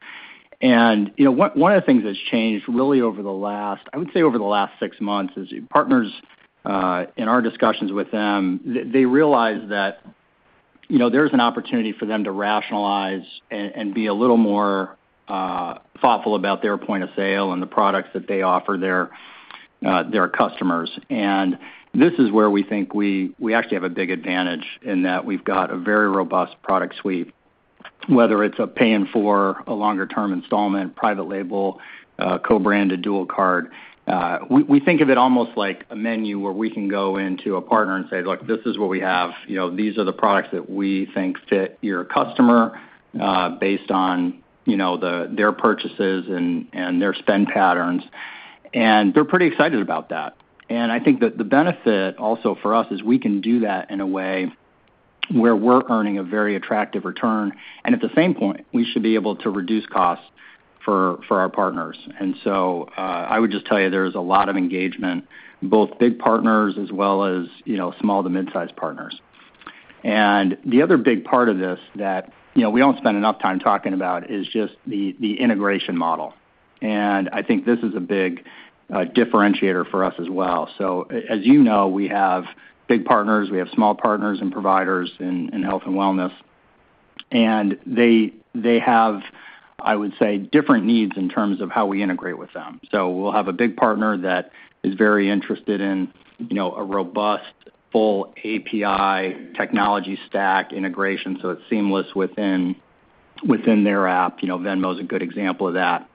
Speaker 3: You know, one of the things that's changed really over the last six months is partners in our discussions with them, they realize that, you know, there's an opportunity for them to rationalize and be a little more thoughtful about their point of sale and the products that they offer their customers. This is where we think we actually have a big advantage in that we've got a very robust product suite, whether it's a Pay in Four, a longer term installment, private label, co-branded dual card. We think of it almost like a menu where we can go into a partner and say, "Look, this is what we have. You know, these are the products that we think fit your customer, based on, you know, their purchases and their spend patterns." They're pretty excited about that. I think that the benefit also for us is we can do that in a way where we're earning a very attractive return. At the same point, we should be able to reduce costs for our partners. I would just tell you there's a lot of engagement, both big partners as well as, you know, small to mid-size partners. The other big part of this that, you know, we don't spend enough time talking about is just the integration model. I think this is a big differentiator for us as well. As you know, we have big partners, we have small partners and providers in health and wellness, and they have, I would say, different needs in terms of how we integrate with them. We'll have a big partner that is very interested in, you know, a robust full API technology stack integration, so it's seamless within their app. You know, Venmo is a good example of that.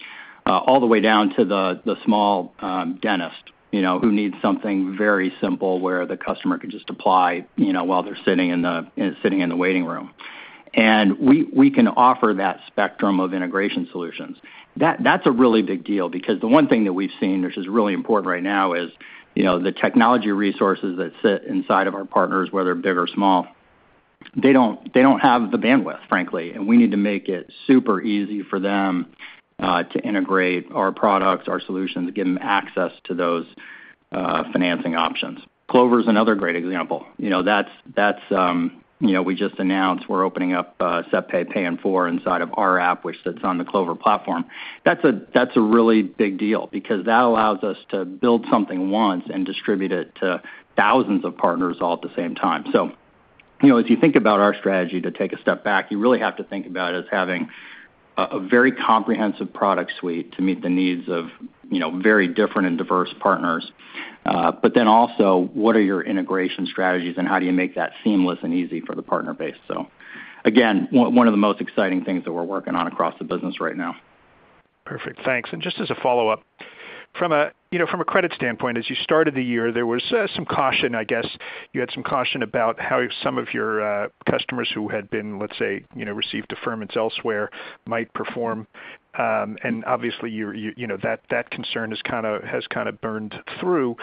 Speaker 3: All the way down to the small dentist, you know, who needs something very simple where the customer can just apply, you know, while they're sitting in the waiting room. We can offer that spectrum of integration solutions. That's a really big deal because the one thing that we've seen, which is really important right now, is, you know, the technology resources that sit inside of our partners, whether big or small, they don't have the bandwidth, frankly. We need to make it super easy for them to integrate our products, our solutions, give them access to those financing options. Clover is another great example. You know, that's. You know, we just announced we're opening up SetPay Pay in Four inside of our app, which sits on the Clover platform. That's a really big deal because that allows us to build something once and distribute it to thousands of partners all at the same time. You know, if you think about our strategy, to take a step back, you really have to think about it as having a very comprehensive product suite to meet the needs of, you know, very different and diverse partners. But then also, what are your integration strategies and how do you make that seamless and easy for the partner base? Again, one of the most exciting things that we're working on across the business right now.
Speaker 6: Perfect. Thanks. Just as a follow-up. From a, you know, from a credit standpoint, as you started the year, there was some caution, I guess, you had some caution about how some of your customers who had been, let's say, you know, received deferments elsewhere might perform. And obviously you know that concern has kinda burned through.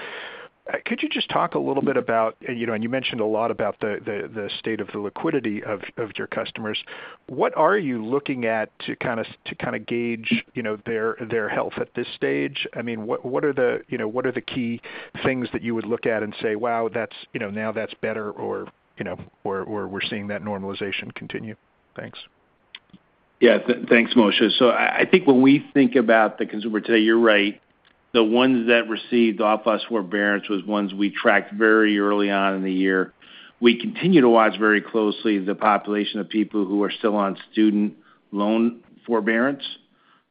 Speaker 6: Could you just talk a little bit about, you know, and you mentioned a lot about the state of the liquidity of your customers. What are you looking at to kinda gauge, you know, their health at this stage? I mean, what are the key things that you would look at and say, "Wow, that's, you know, now that's better," or, "We're seeing that normalization continue"? Thanks.
Speaker 3: Yeah. Thanks, Moshe. I think when we think about the consumer today, you're right. The ones that received forbearance were the ones we tracked very early on in the year. We continue to watch very closely the population of people who are still on student loan forbearance.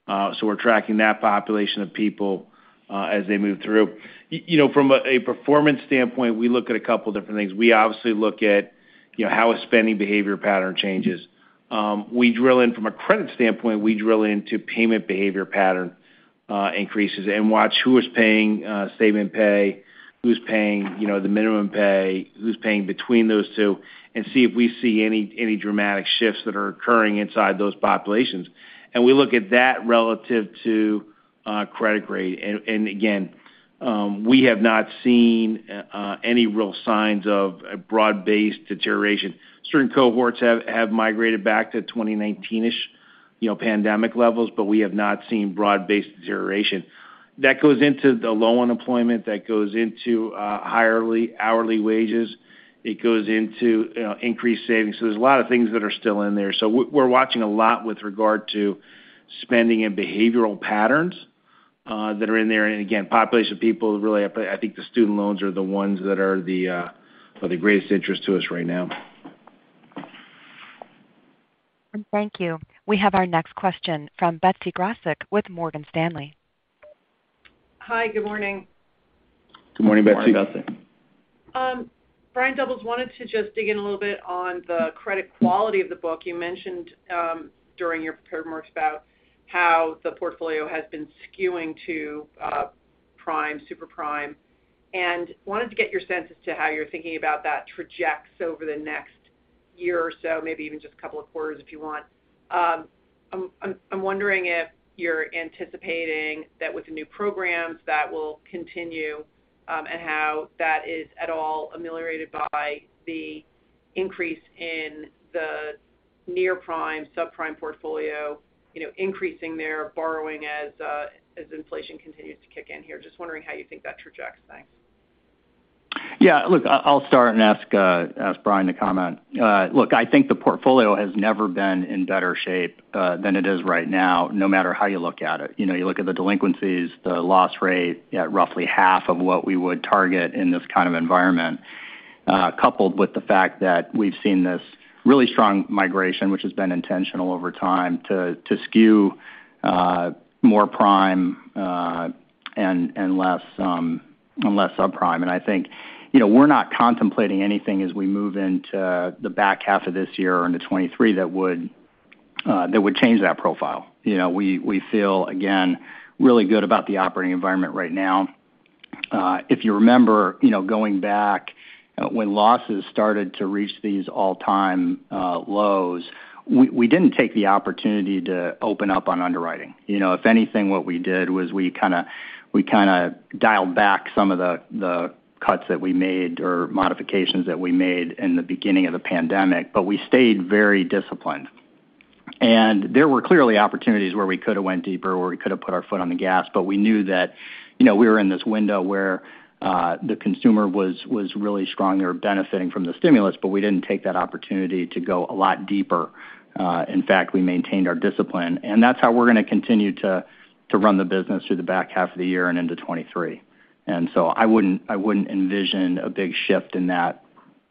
Speaker 3: We're tracking that population of people as they move through. You know, from a performance standpoint, we look at a couple different things. We obviously look at, you know, how a spending behavior pattern changes. We drill in from a credit standpoint, we drill into payment behavior pattern increases and watch who is paying statement pay, who's paying, you know, the minimum pay, who's paying between those two, and see if we see any dramatic shifts that are occurring inside those populations. We look at that relative to credit grade. Again, we have not seen any real signs of a broad-based deterioration. Certain cohorts have migrated back to 2019-ish, you know, pandemic levels, but we have not seen broad-based deterioration. That goes into the low unemployment, that goes into higher hourly wages. It goes into, you know, increased savings. There's a lot of things that are still in there. We're watching a lot with regard to spending and behavioral patterns that are in there. Again, population of people really, I think the student loans are the ones that are the greatest interest to us right now.
Speaker 1: Thank you. We have our next question from Betsy Graseck with Morgan Stanley.
Speaker 7: Hi. Good morning.
Speaker 3: Good morning, Betsy.
Speaker 4: Good morning, Betsy.
Speaker 7: Brian Doubles wanted to just dig in a little bit on the credit quality of the book. You mentioned during your prepared remarks about how the portfolio has been skewing to prime, super prime, and wanted to get your sense as to how you're thinking about that trajectory over the next year or so, maybe even just a couple of quarters if you want. I'm wondering if you're anticipating that with the new programs that will continue, and how that is at all ameliorated by the increase in the near-prime, subprime portfolio, you know, increasing their borrowing as inflation continues to kick in here. Just wondering how you think that trajectory. Thanks.
Speaker 3: Yeah. Look, I'll start and ask Brian to comment. Look, I think the portfolio has never been in better shape than it is right now, no matter how you look at it. You know, you look at the delinquencies, the loss rate at roughly half of what we would target in this kind of environment, coupled with the fact that we've seen this really strong migration, which has been intentional over time to skew more prime and less subprime. I think, you know, we're not contemplating anything as we move into the back half of this year or into 2023 that would change that profile. You know, we feel, again, really good about the operating environment right now. If you remember, you know, going back when losses started to reach these all-time lows, we didn't take the opportunity to open up on underwriting. You know, if anything, what we did was we kinda dialed back some of the cuts that we made or modifications that we made in the beginning of the pandemic, but we stayed very disciplined. There were clearly opportunities where we could have went deeper, where we could have put our foot on the gas, but we knew that, you know, we were in this window where the consumer was really strong, they were benefiting from the stimulus, but we didn't take that opportunity to go a lot deeper. In fact, we maintained our discipline. That's how we're gonna continue to run the business through the back half of the year and into 2023. I wouldn't envision a big shift in that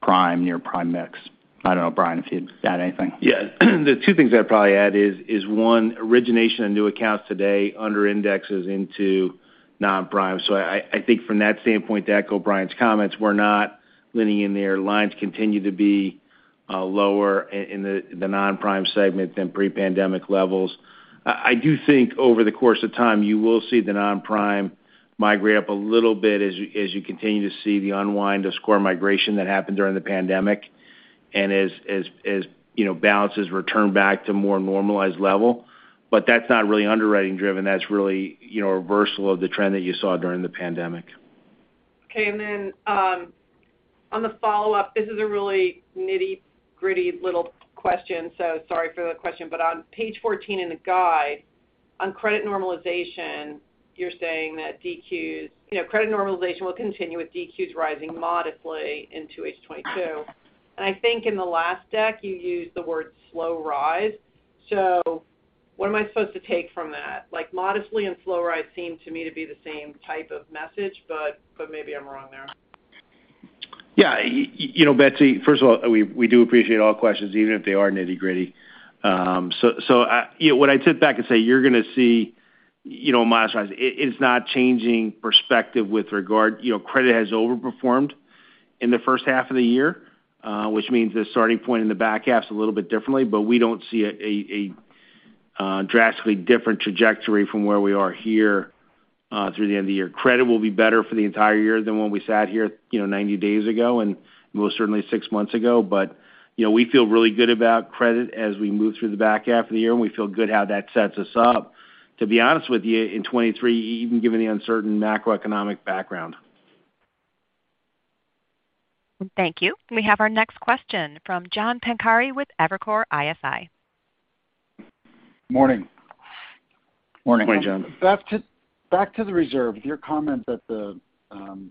Speaker 3: prime, near-prime mix. I don't know, Brian, if you'd add anything.
Speaker 4: Yeah. The two things I'd probably add is one, origination of new accounts today under-indexes into non-prime. So I think from that standpoint, to echo Brian's comments, we're not leaning in there. Lines continue to be lower in the non-prime segment than pre-pandemic levels. I do think over the course of time, you will see the non-prime migrate up a little bit as you continue to see the unwind of score migration that happened during the pandemic. As you know, balances return back to more normalized level. That's not really underwriting driven. That's really, you know, a reversal of the trend that you saw during the pandemic.
Speaker 7: Okay. On the follow-up, this is a really nitty-gritty little question, so sorry for the question. On page 14 in the guide, on credit normalization, you're saying that DQs, you know, credit normalization will continue with DQs rising modestly into H2 2022. I think in the last deck, you used the word slow rise. What am I supposed to take from that? Like modestly and slower, it seem to me to be the same type of message, but maybe I'm wrong there.
Speaker 4: Yeah. You know, Betsy, first of all, we do appreciate all questions, even if they are nitty-gritty. So, you know, when I sit back and say you're gonna see, you know, modest rise, it's not changing perspective with regard. You know, credit has overperformed in the first half of the year, which means the starting point in the back half's a little bit differently, but we don't see a drastically different trajectory from where we are here through the end of the year. Credit will be better for the entire year than when we sat here, you know, 90 days ago and most certainly six months ago. You know, we feel really good about credit as we move through the back half of the year, and we feel good how that sets us up, to be honest with you, in 2023, even given the uncertain macroeconomic background.
Speaker 1: Thank you. We have our next question from John Pancari with Evercore ISI.
Speaker 8: Morning.
Speaker 4: Morning, John.
Speaker 8: Back to the reserve. Your comment that the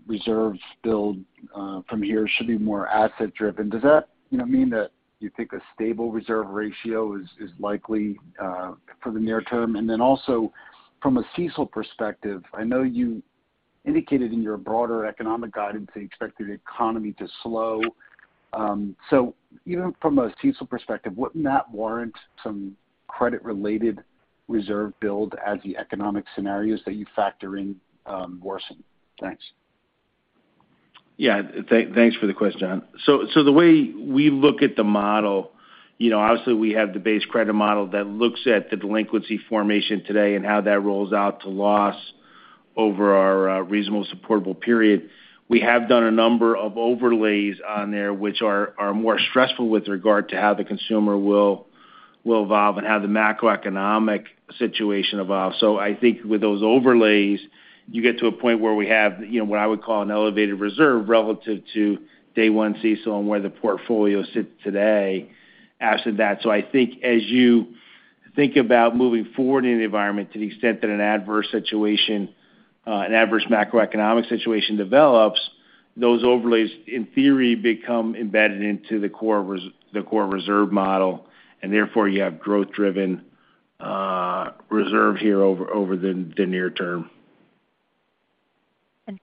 Speaker 8: reserves build from here should be more asset-driven. Does that, you know, mean that you think a stable reserve ratio is likely for the near term? Also from a CECL perspective, I know you indicated in your broader economic guidance that you expect the economy to slow. Even from a CECL perspective, wouldn't that warrant some credit-related reserve build as the economic scenarios that you factor in worsen? Thanks.
Speaker 4: Yeah. Thanks for the question, John. The way we look at the model, you know, obviously we have the base credit model that looks at the delinquency formation today and how that rolls out to loss over our reasonable supportable period. We have done a number of overlays on there which are more stressful with regard to how the consumer will evolve and how the macroeconomic situation evolves. I think with those overlays, you get to a point where we have, you know, what I would call an elevated reserve relative to day one CECL and where the portfolio sit today after that. I think as you think about moving forward in an environment to the extent that an adverse situation, an adverse macroeconomic situation develops, those overlays, in theory, become embedded into the core reserve model, and therefore, you have growth-driven reserve here over the near term.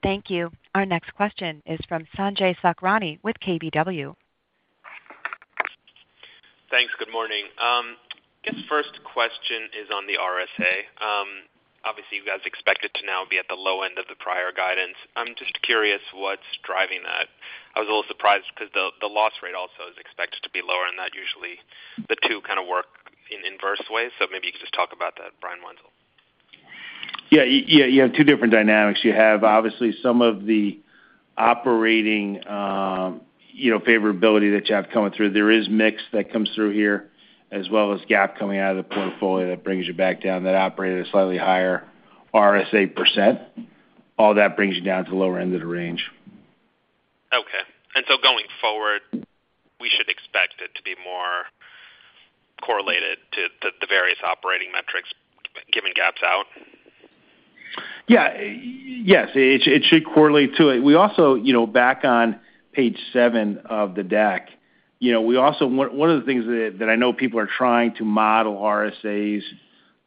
Speaker 1: Thank you. Our next question is from Sanjay Sakhrani with KBW.
Speaker 9: Thanks. Good morning. I guess first question is on the RSA. Obviously you guys expect it to now be at the low end of the prior guidance. I'm just curious what's driving that. I was a little surprised because the loss rate also is expected to be lower, and that usually the two kind of work in inverse ways. Maybe you could just talk about that, Brian Wenzel.
Speaker 4: Yeah. You have two different dynamics. You have obviously some of the operating, you know, favorability that you have coming through. There is mix that comes through here as well as GAAP coming out of the portfolio that brings you back down. That operated a slightly higher RSA percent. All that brings you down to the lower end of the range.
Speaker 9: Okay. Going forward, we should expect it to be more correlated to the various operating metrics given GAAP's out?
Speaker 4: Yeah. Yes, it should correlate to it. We also, you know, back on page seven of the deck. You know, we also. One of the things that I know people are trying to model RSAs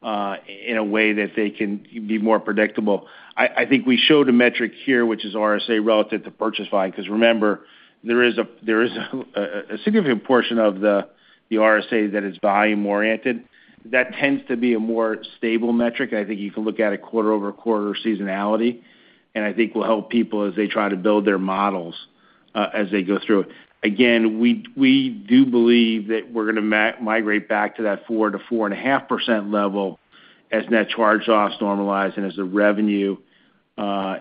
Speaker 4: in a way that they can be more predictable. I think we showed a metric here which is RSA relative to purchase volume because remember, there is a significant portion of the RSA that is volume-oriented. That tends to be a more stable metric, and I think you can look at it quarter-over-quarter seasonality, and I think will help people as they try to build their models as they go through. Again, we do believe that we're gonna migrate back to that 4%-4.5% level as net charge-offs normalize and as the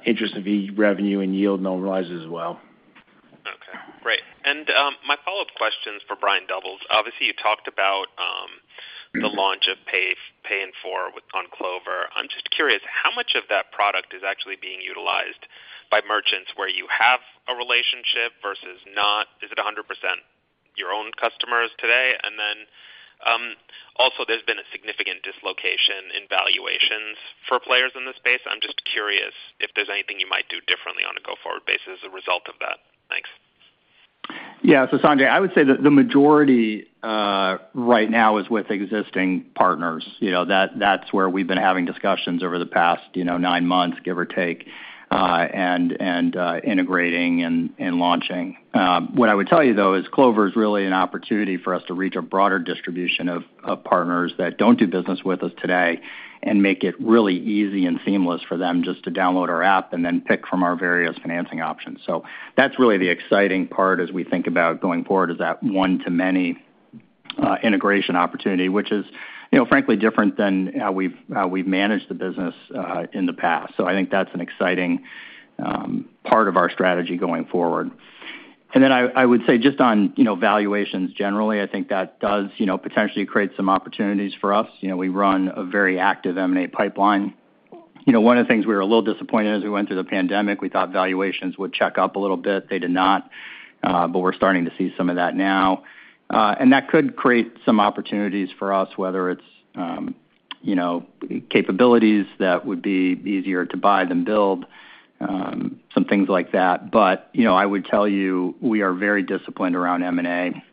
Speaker 4: interest revenue and yield normalize as well.
Speaker 9: Okay, great. My follow-up question's for Brian Doubles. Obviously, you talked about the launch of Pay in Four on Clover. I'm just curious how much of that product is actually being utilized by merchants where you have a relationship versus not? Is it 100% your own customers today? Also, there's been a significant dislocation in valuations for players in this space. I'm just curious if there's anything you might do differently on a go-forward basis as a result of that. Thanks.
Speaker 3: Yeah. Sanjay, I would say that the majority right now is with existing partners. You know, that's where we've been having discussions over the past, you know, nine months, give or take, and integrating and launching. What I would tell you, though, is Clover's really an opportunity for us to reach a broader distribution of partners that don't do business with us today and make it really easy and seamless for them just to download our app and then pick from our various financing options. That's really the exciting part as we think about going forward, is that one-to-many integration opportunity, which is, you know, frankly different than how we've managed the business in the past. I think that's an exciting part of our strategy going forward. I would say just on, you know, valuations generally, I think that does, you know, potentially create some opportunities for us. You know, we run a very active M&A pipeline. You know, one of the things we were a little disappointed as we went through the pandemic, we thought valuations would pick up a little bit. They did not, but we're starting to see some of that now. That could create some opportunities for us, whether it's, you know, capabilities that would be easier to buy than build, some things like that. You know, I would tell you, we are very disciplined around M&A.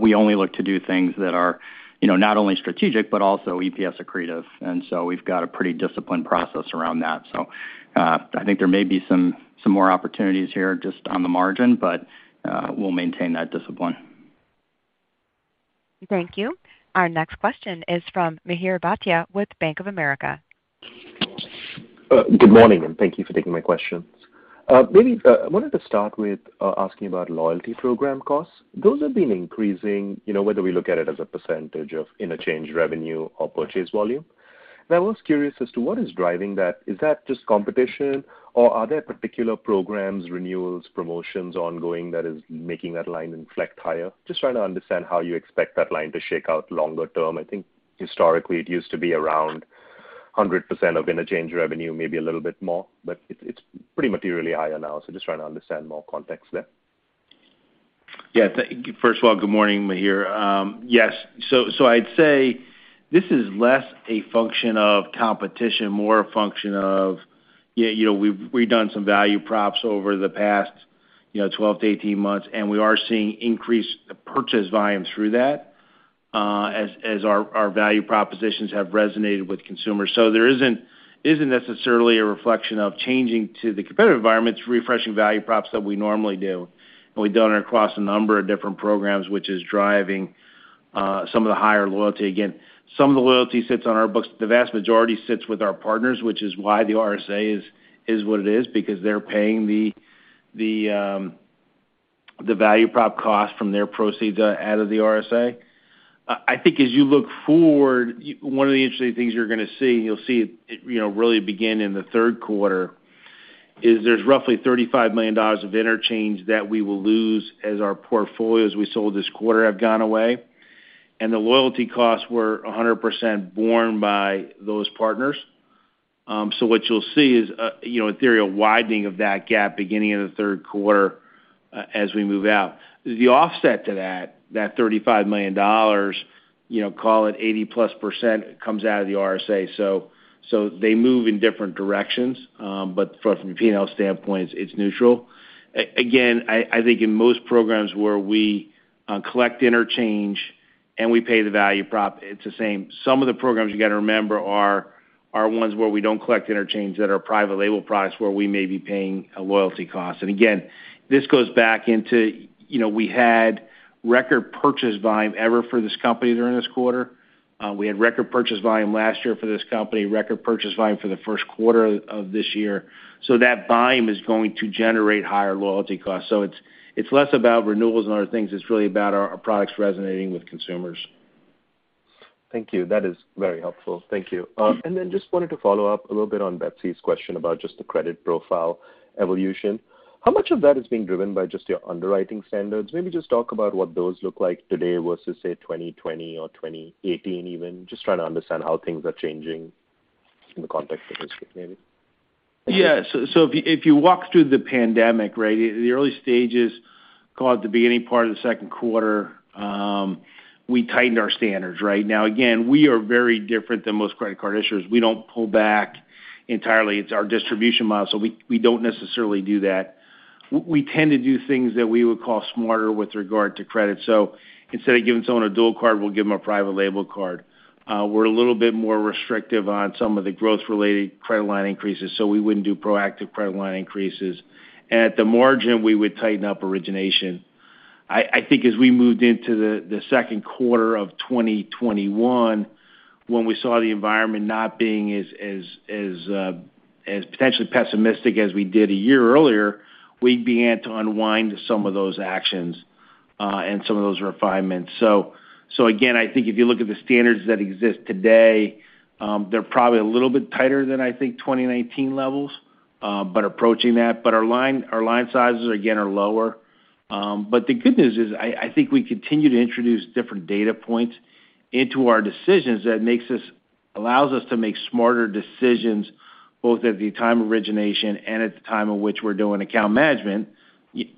Speaker 4: We only look to do things that are, you know, not only strategic but also EPS accretive. We've got a pretty disciplined process around that. I think there may be some more opportunities here just on the margin, but we'll maintain that discipline.
Speaker 1: Thank you. Our next question is from Mihir Bhatia with Bank of America.
Speaker 10: Good morning, and thank you for taking my questions. Maybe, I wanted to start with asking about loyalty program costs. Those have been increasing, you know, whether we look at it as a percentage of interchange revenue or purchase volume. I was curious as to what is driving that. Is that just competition or are there particular programs, renewals, promotions ongoing that is making that line inflect higher? Just trying to understand how you expect that line to shake out longer term. I think historically it used to be around 100% of interchange revenue, maybe a little bit more, but it's pretty materially higher now. Just trying to understand more context there.
Speaker 4: Yeah. First of all, good morning, Mihir. Yes. I'd say this is less a function of competition, more a function of, yeah, you know, we've redone some value props over the past, you know, 12-18 months, and we are seeing increased purchase volume through that, as our value propositions have resonated with consumers. There isn't necessarily a reflection of changing to the competitive environment. It's refreshing value props that we normally do, and we've done it across a number of different programs, which is driving some of the higher loyalty. Again, some of the loyalty sits on our books. The vast majority sits with our partners, which is why the RSA is what it is, because they're paying the value prop cost from their proceeds out of the RSA. I think as you look forward, one of the interesting things you're gonna see, and you'll see it, you know, really begin in the third quarter, is there's roughly $35 million of interchange that we will lose as our portfolios we sold this quarter have gone away. The loyalty costs were 100% borne by those partners. What you'll see is a, you know, in theory, a widening of that gap beginning in the third quarter as we move out. The offset to that $35 million, you know, call it 80%+ comes out of the RSA. They move in different directions, but from a P&L standpoint, it's neutral. Again, I think in most programs where we collect interchange and we pay the value prop, it's the same. Some of the programs, you gotta remember, are ones where we don't collect interchange, that are private label products where we may be paying a loyalty cost. Again, this goes back into, you know, we had record purchase volume ever for this company during this quarter. We had record purchase volume last year for this company, record purchase volume for the first quarter of this year. That volume is going to generate higher loyalty costs. It's less about renewals and other things. It's really about our products resonating with consumers.
Speaker 10: Thank you. That is very helpful. Thank you. Just wanted to follow up a little bit on Betsy's question about just the credit profile evolution. How much of that is being driven by just your underwriting standards? Maybe just talk about what those look like today versus, say, 2020 or 2018 even. Just trying to understand how things are changing in the context of this maybe.
Speaker 4: Yeah. If you walk through the pandemic, right, the early stages, call it the beginning part of the second quarter, we tightened our standards, right? Now, again, we are very different than most credit card issuers. We don't pull back entirely. It's our distribution model, so we don't necessarily do that. We tend to do things that we would call smarter with regard to credit. Instead of giving someone a dual card, we'll give them a private label card. We're a little bit more restrictive on some of the growth-related credit line increases, so we wouldn't do proactive credit line increases. At the margin, we would tighten up origination. I think as we moved into the second quarter of 2021, when we saw the environment not being as potentially pessimistic as we did a year earlier, we began to unwind some of those actions and some of those refinements. Again, I think if you look at the standards that exist today, they're probably a little bit tighter than, I think, 2019 levels, but approaching that. Our line sizes, again, are lower. The good news is I think we continue to introduce different data points into our decisions that allows us to make smarter decisions both at the time of origination and at the time of which we're doing account management,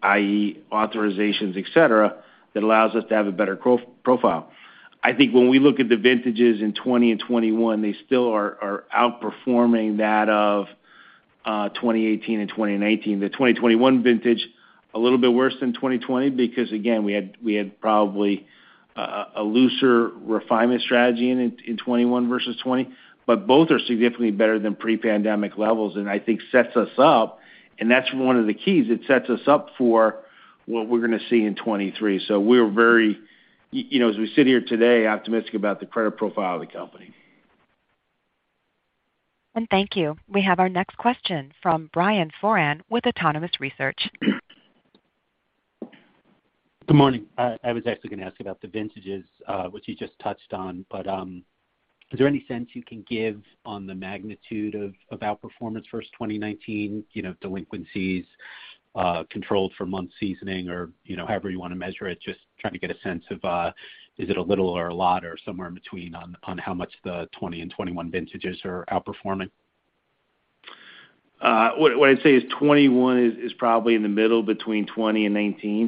Speaker 4: i.e., authorizations, et cetera, that allows us to have a better profile. I think when we look at the vintages in 2020 and 2021, they still are outperforming that of 2018 and 2019. The 2021 vintage, a little bit worse than 2020 because, again, we had probably a looser refinement strategy in 2021 versus 2020. Both are significantly better than pre-pandemic levels and I think sets us up. That's one of the keys. It sets us up for what we're gonna see in 2023. We're very, you know, as we sit here today, optimistic about the credit profile of the company.
Speaker 1: Thank you. We have our next question from Brian Foran with Autonomous Research.
Speaker 11: Good morning. I was actually gonna ask about the vintages, which you just touched on. Is there any sense you can give on the magnitude of outperformance versus 2019, you know, delinquencies, controlled for month seasoning or, you know, however you wanna measure it? Just trying to get a sense of, is it a little or a lot or somewhere in between on how much the 2020 and 2021 vintages are outperforming.
Speaker 4: What I'd say is 2021 is probably in the middle between 2020 and 2019,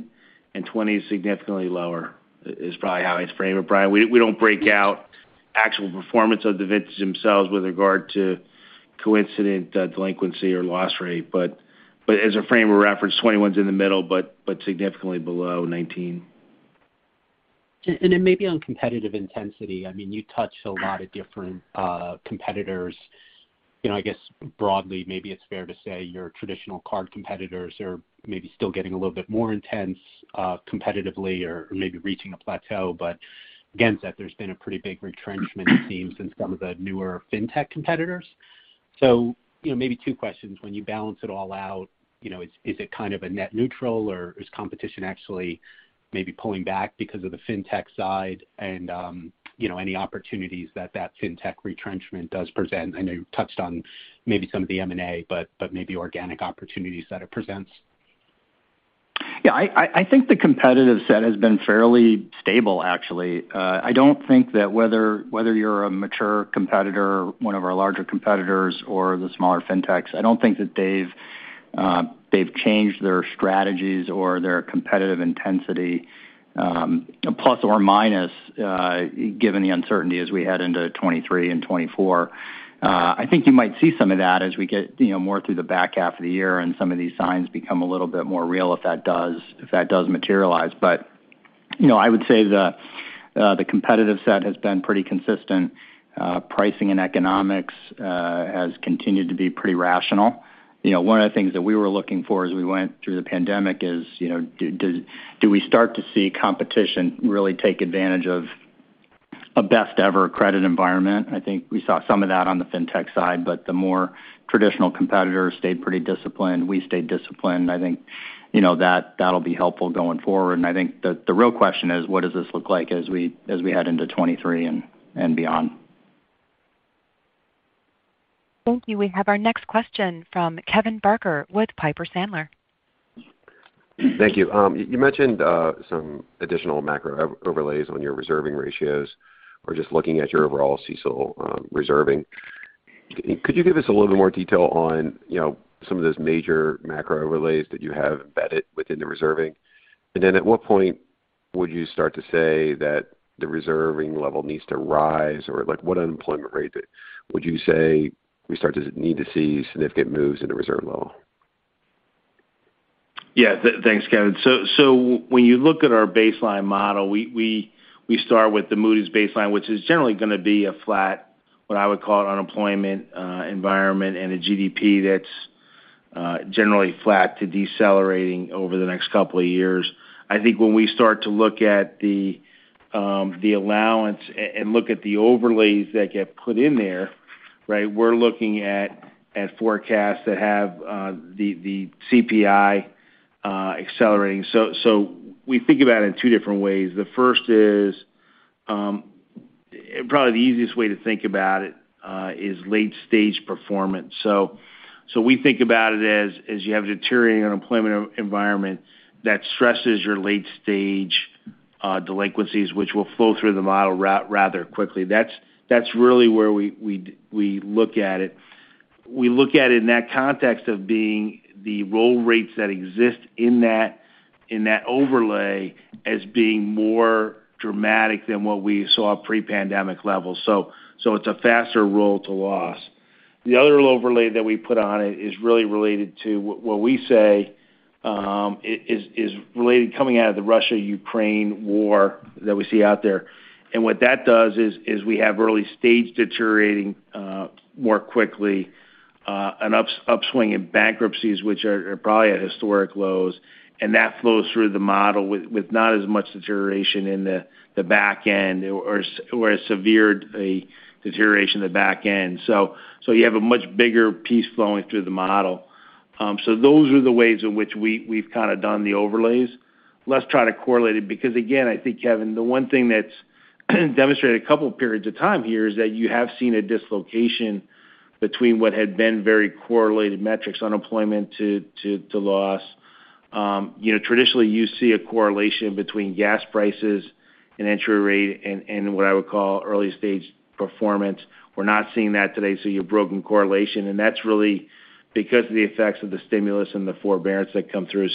Speaker 4: and 2020 is significantly lower is probably how I'd frame it, Brian. We don't break out actual performance of the vintages themselves with regard to coincident delinquency or loss rate. As a frame of reference, 2021 is in the middle, but significantly below 2019.
Speaker 11: Maybe on competitive intensity, I mean, you touched a lot of different competitors. You know, I guess broadly, maybe it's fair to say your traditional card competitors are maybe still getting a little bit more intense, competitively or maybe reaching a plateau. Again, Seth, there's been a pretty big retrenchment, it seems, since some of the newer fintech competitors. You know, maybe two questions. When you balance it all out, you know, is it kind of a net neutral, or is competition actually maybe pulling back because of the fintech side? You know, any opportunities that that fintech retrenchment does present? I know you touched on maybe some of the M&A, but maybe organic opportunities that it presents.
Speaker 4: Yeah. I think the competitive set has been fairly stable actually. I don't think that whether you're a mature competitor, one of our larger competitors or the smaller fintechs, I don't think that they've changed their strategies or their competitive intensity, plus or minus, given the uncertainty as we head into 2023 and 2024. I think you might see some of that as we get, you know, more through the back half of the year and some of these signs become a little bit more real if that does materialize. You know, I would say the competitive set has been pretty consistent. Pricing and economics has continued to be pretty rational. You know, one of the things that we were looking for as we went through the pandemic is, you know, do we start to see competition really take advantage of a best ever credit environment? I think we saw some of that on the fintech side, but the more traditional competitors stayed pretty disciplined. We stayed disciplined. I think, you know, that'll be helpful going forward. I think the real question is: What does this look like as we head into 2023 and beyond?
Speaker 1: Thank you. We have our next question from Kevin Barker with Piper Sandler.
Speaker 12: Thank you. You mentioned some additional macro overlays on your reserving ratios or just looking at your overall CECL reserving. Could you give us a little bit more detail on, you know, some of those major macro overlays that you have embedded within the reserving? Then at what point would you start to say that the reserving level needs to rise? Like, what unemployment rate would you say we start to need to see significant moves in the reserve level?
Speaker 4: Yeah. Thanks, Kevin. When you look at our baseline model, we start with the Moody's baseline, which is generally gonna be a flat, what I would call an unemployment environment and a GDP that's generally flat to decelerating over the next couple of years. I think when we start to look at the allowance and look at the overlays that get put in there, right? We're looking at forecasts that have the CPI accelerating. We think about it in two different ways. The first is probably the easiest way to think about it is late-stage performance. We think about it as you have a deteriorating unemployment environment that stresses your late-stage delinquencies, which will flow through the model rather quickly. That's really where we look at it. We look at it in that context of being the roll rates that exist in that overlay as being more dramatic than what we saw pre-pandemic levels. So it's a faster roll to loss. The other overlay that we put on it is really related to what we say is related coming out of the Russia-Ukraine war that we see out there. What that does is we have early stage deteriorating more quickly, an upswing in bankruptcies, which are probably at historic lows. That flows through the model with not as much deterioration in the back end or a severe deterioration in the back end. So you have a much bigger piece flowing through the model. Those are the ways in which we've kind of done the overlays. Let's try to correlate it because again, I think, Kevin, the one thing that's demonstrated a couple periods of time here is that you have seen a dislocation between what had been very correlated metrics, unemployment to loss. You know, traditionally you see a correlation between gas prices and entry rate and what I would call early-stage performance. We're not seeing that today, so the broken correlation. That's really because of the effects of the stimulus and the forbearance that come through.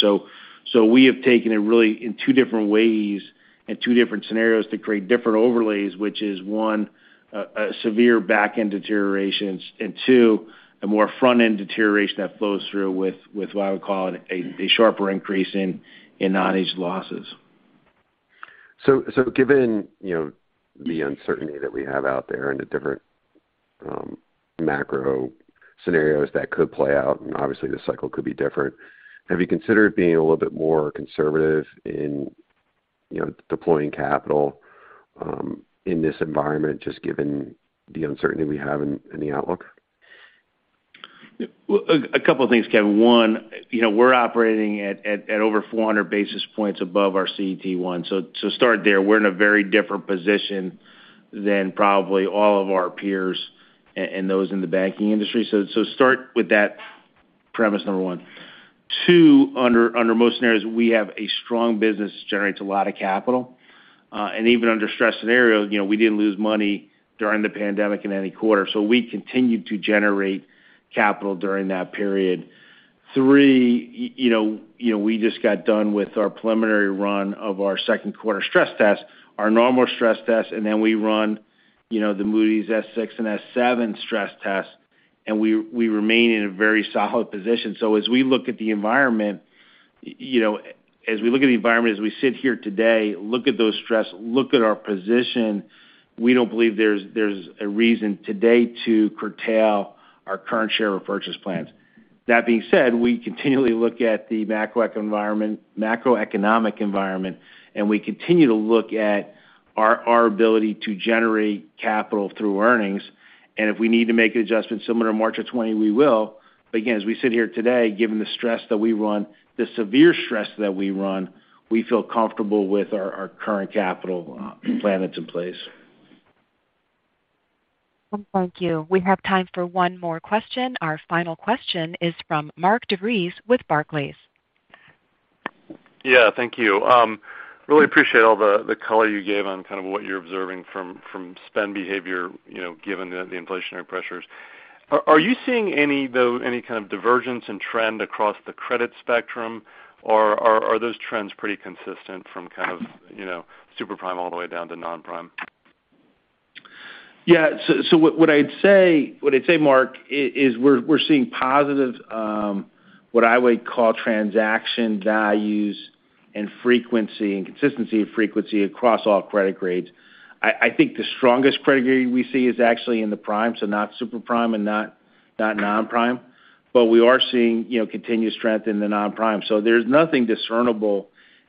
Speaker 4: We have taken it really in two different ways and two different scenarios to create different overlays, which is one, a severe back-end deterioration, and two, a more front-end deterioration that flows through with what I would call a sharper increase in non-age losses.
Speaker 12: Given, you know, the uncertainty that we have out there and the different, macro scenarios that could play out, and obviously the cycle could be different, have you considered being a little bit more conservative in, you know, deploying capital, in this environment, just given the uncertainty we have in the outlook?
Speaker 4: Well, a couple of things, Kevin. One, you know, we're operating at over 400 basis points above our CET1. So start there. We're in a very different position than probably all of our peers and those in the banking industry. So start with that premise, number one. Two, under most scenarios, we have a strong business that generates a lot of capital. And even under stress scenarios, you know, we didn't lose money during the pandemic in any quarter. So we continued to generate capital during that period. Three, you know, we just got done with our preliminary run of our second quarter stress test, our normal stress test, and then we run, you know, the Moody's S6 and S7 stress test, and we remain in a very solid position. As we look at the environment, you know, as we sit here today, look at the stress tests, look at our position, we don't believe there's a reason today to curtail our current share repurchase plans. That being said, we continually look at the macroeconomic environment, and we continue to look at our ability to generate capital through earnings. If we need to make adjustments similar to March of 2020, we will. Again, as we sit here today, given the severe stress that we run, we feel comfortable with our current capital plan that's in place.
Speaker 1: Thank you. We have time for one more question. Our final question is from Mark DeVries with Barclays.
Speaker 13: Yeah, thank you. Really appreciate all the color you gave on kind of what you're observing from spend behavior, you know, given the inflationary pressures. Are you seeing any, though, any kind of divergence in trend across the credit spectrum? Or are those trends pretty consistent from kind of, you know, super prime all the way down to non-prime?
Speaker 4: What I'd say, Mark, is we're seeing positive what I would call transaction values and frequency and consistency of frequency across all credit grades. I think the strongest credit grade we see is actually in the prime, so not super prime and not non-prime. We are seeing, you know, continued strength in the non-prime. There's nothing discernible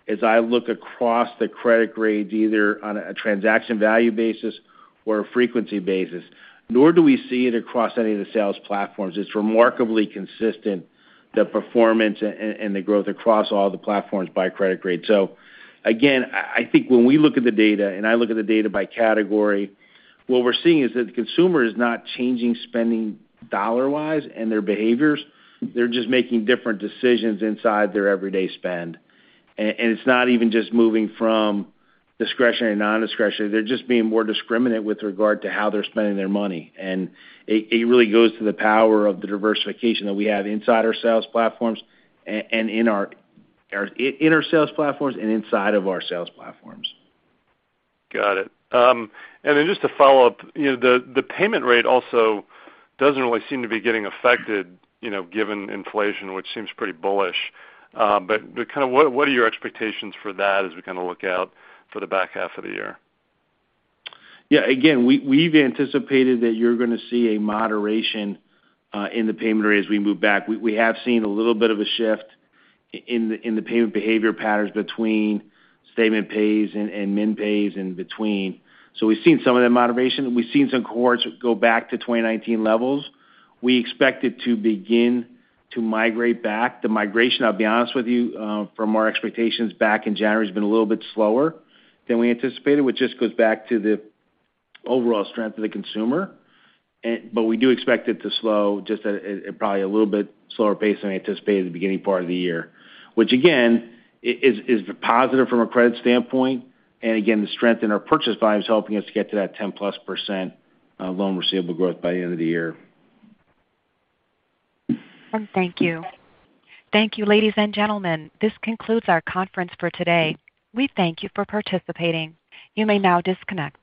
Speaker 4: as I look across the credit grades, either on a transaction value basis or a frequency basis, nor do we see it across any of the sales platforms. It's remarkably consistent, the performance and the growth across all the platforms by credit grade. Again, I think when we look at the data, and I look at the data by category, what we're seeing is that the consumer is not changing spending dollar-wise and their behaviors. They're just making different decisions inside their everyday spend. It's not even just moving from discretionary to non-discretionary. They're just being more discriminate with regard to how they're spending their money. It really goes to the power of the diversification that we have inside our sales platforms.
Speaker 13: Got it. Just to follow up, you know, the payment rate also doesn't really seem to be getting affected, you know, given inflation, which seems pretty bullish. Kind of what are your expectations for that as we kind of look out for the back half of the year?
Speaker 4: Yeah. Again, we've anticipated that you're gonna see a moderation in the payment rate as we move back. We have seen a little bit of a shift in the payment behavior patterns between statement pays and min pays in between. So we've seen some of that moderation. We've seen some cohorts go back to 2019 levels. We expect it to begin to migrate back. The migration, I'll be honest with you, from our expectations back in January, has been a little bit slower than we anticipated, which just goes back to the overall strength of the consumer. We do expect it to slow just at probably a little bit slower pace than we anticipated at the beginning part of the year, which again is positive from a credit standpoint. Again, the strength in our purchase volume is helping us get to that 10%+ loan receivable growth by the end of the year.
Speaker 1: Thank you. Thank you, ladies and gentlemen. This concludes our conference for today. We thank you for participating. You may now disconnect.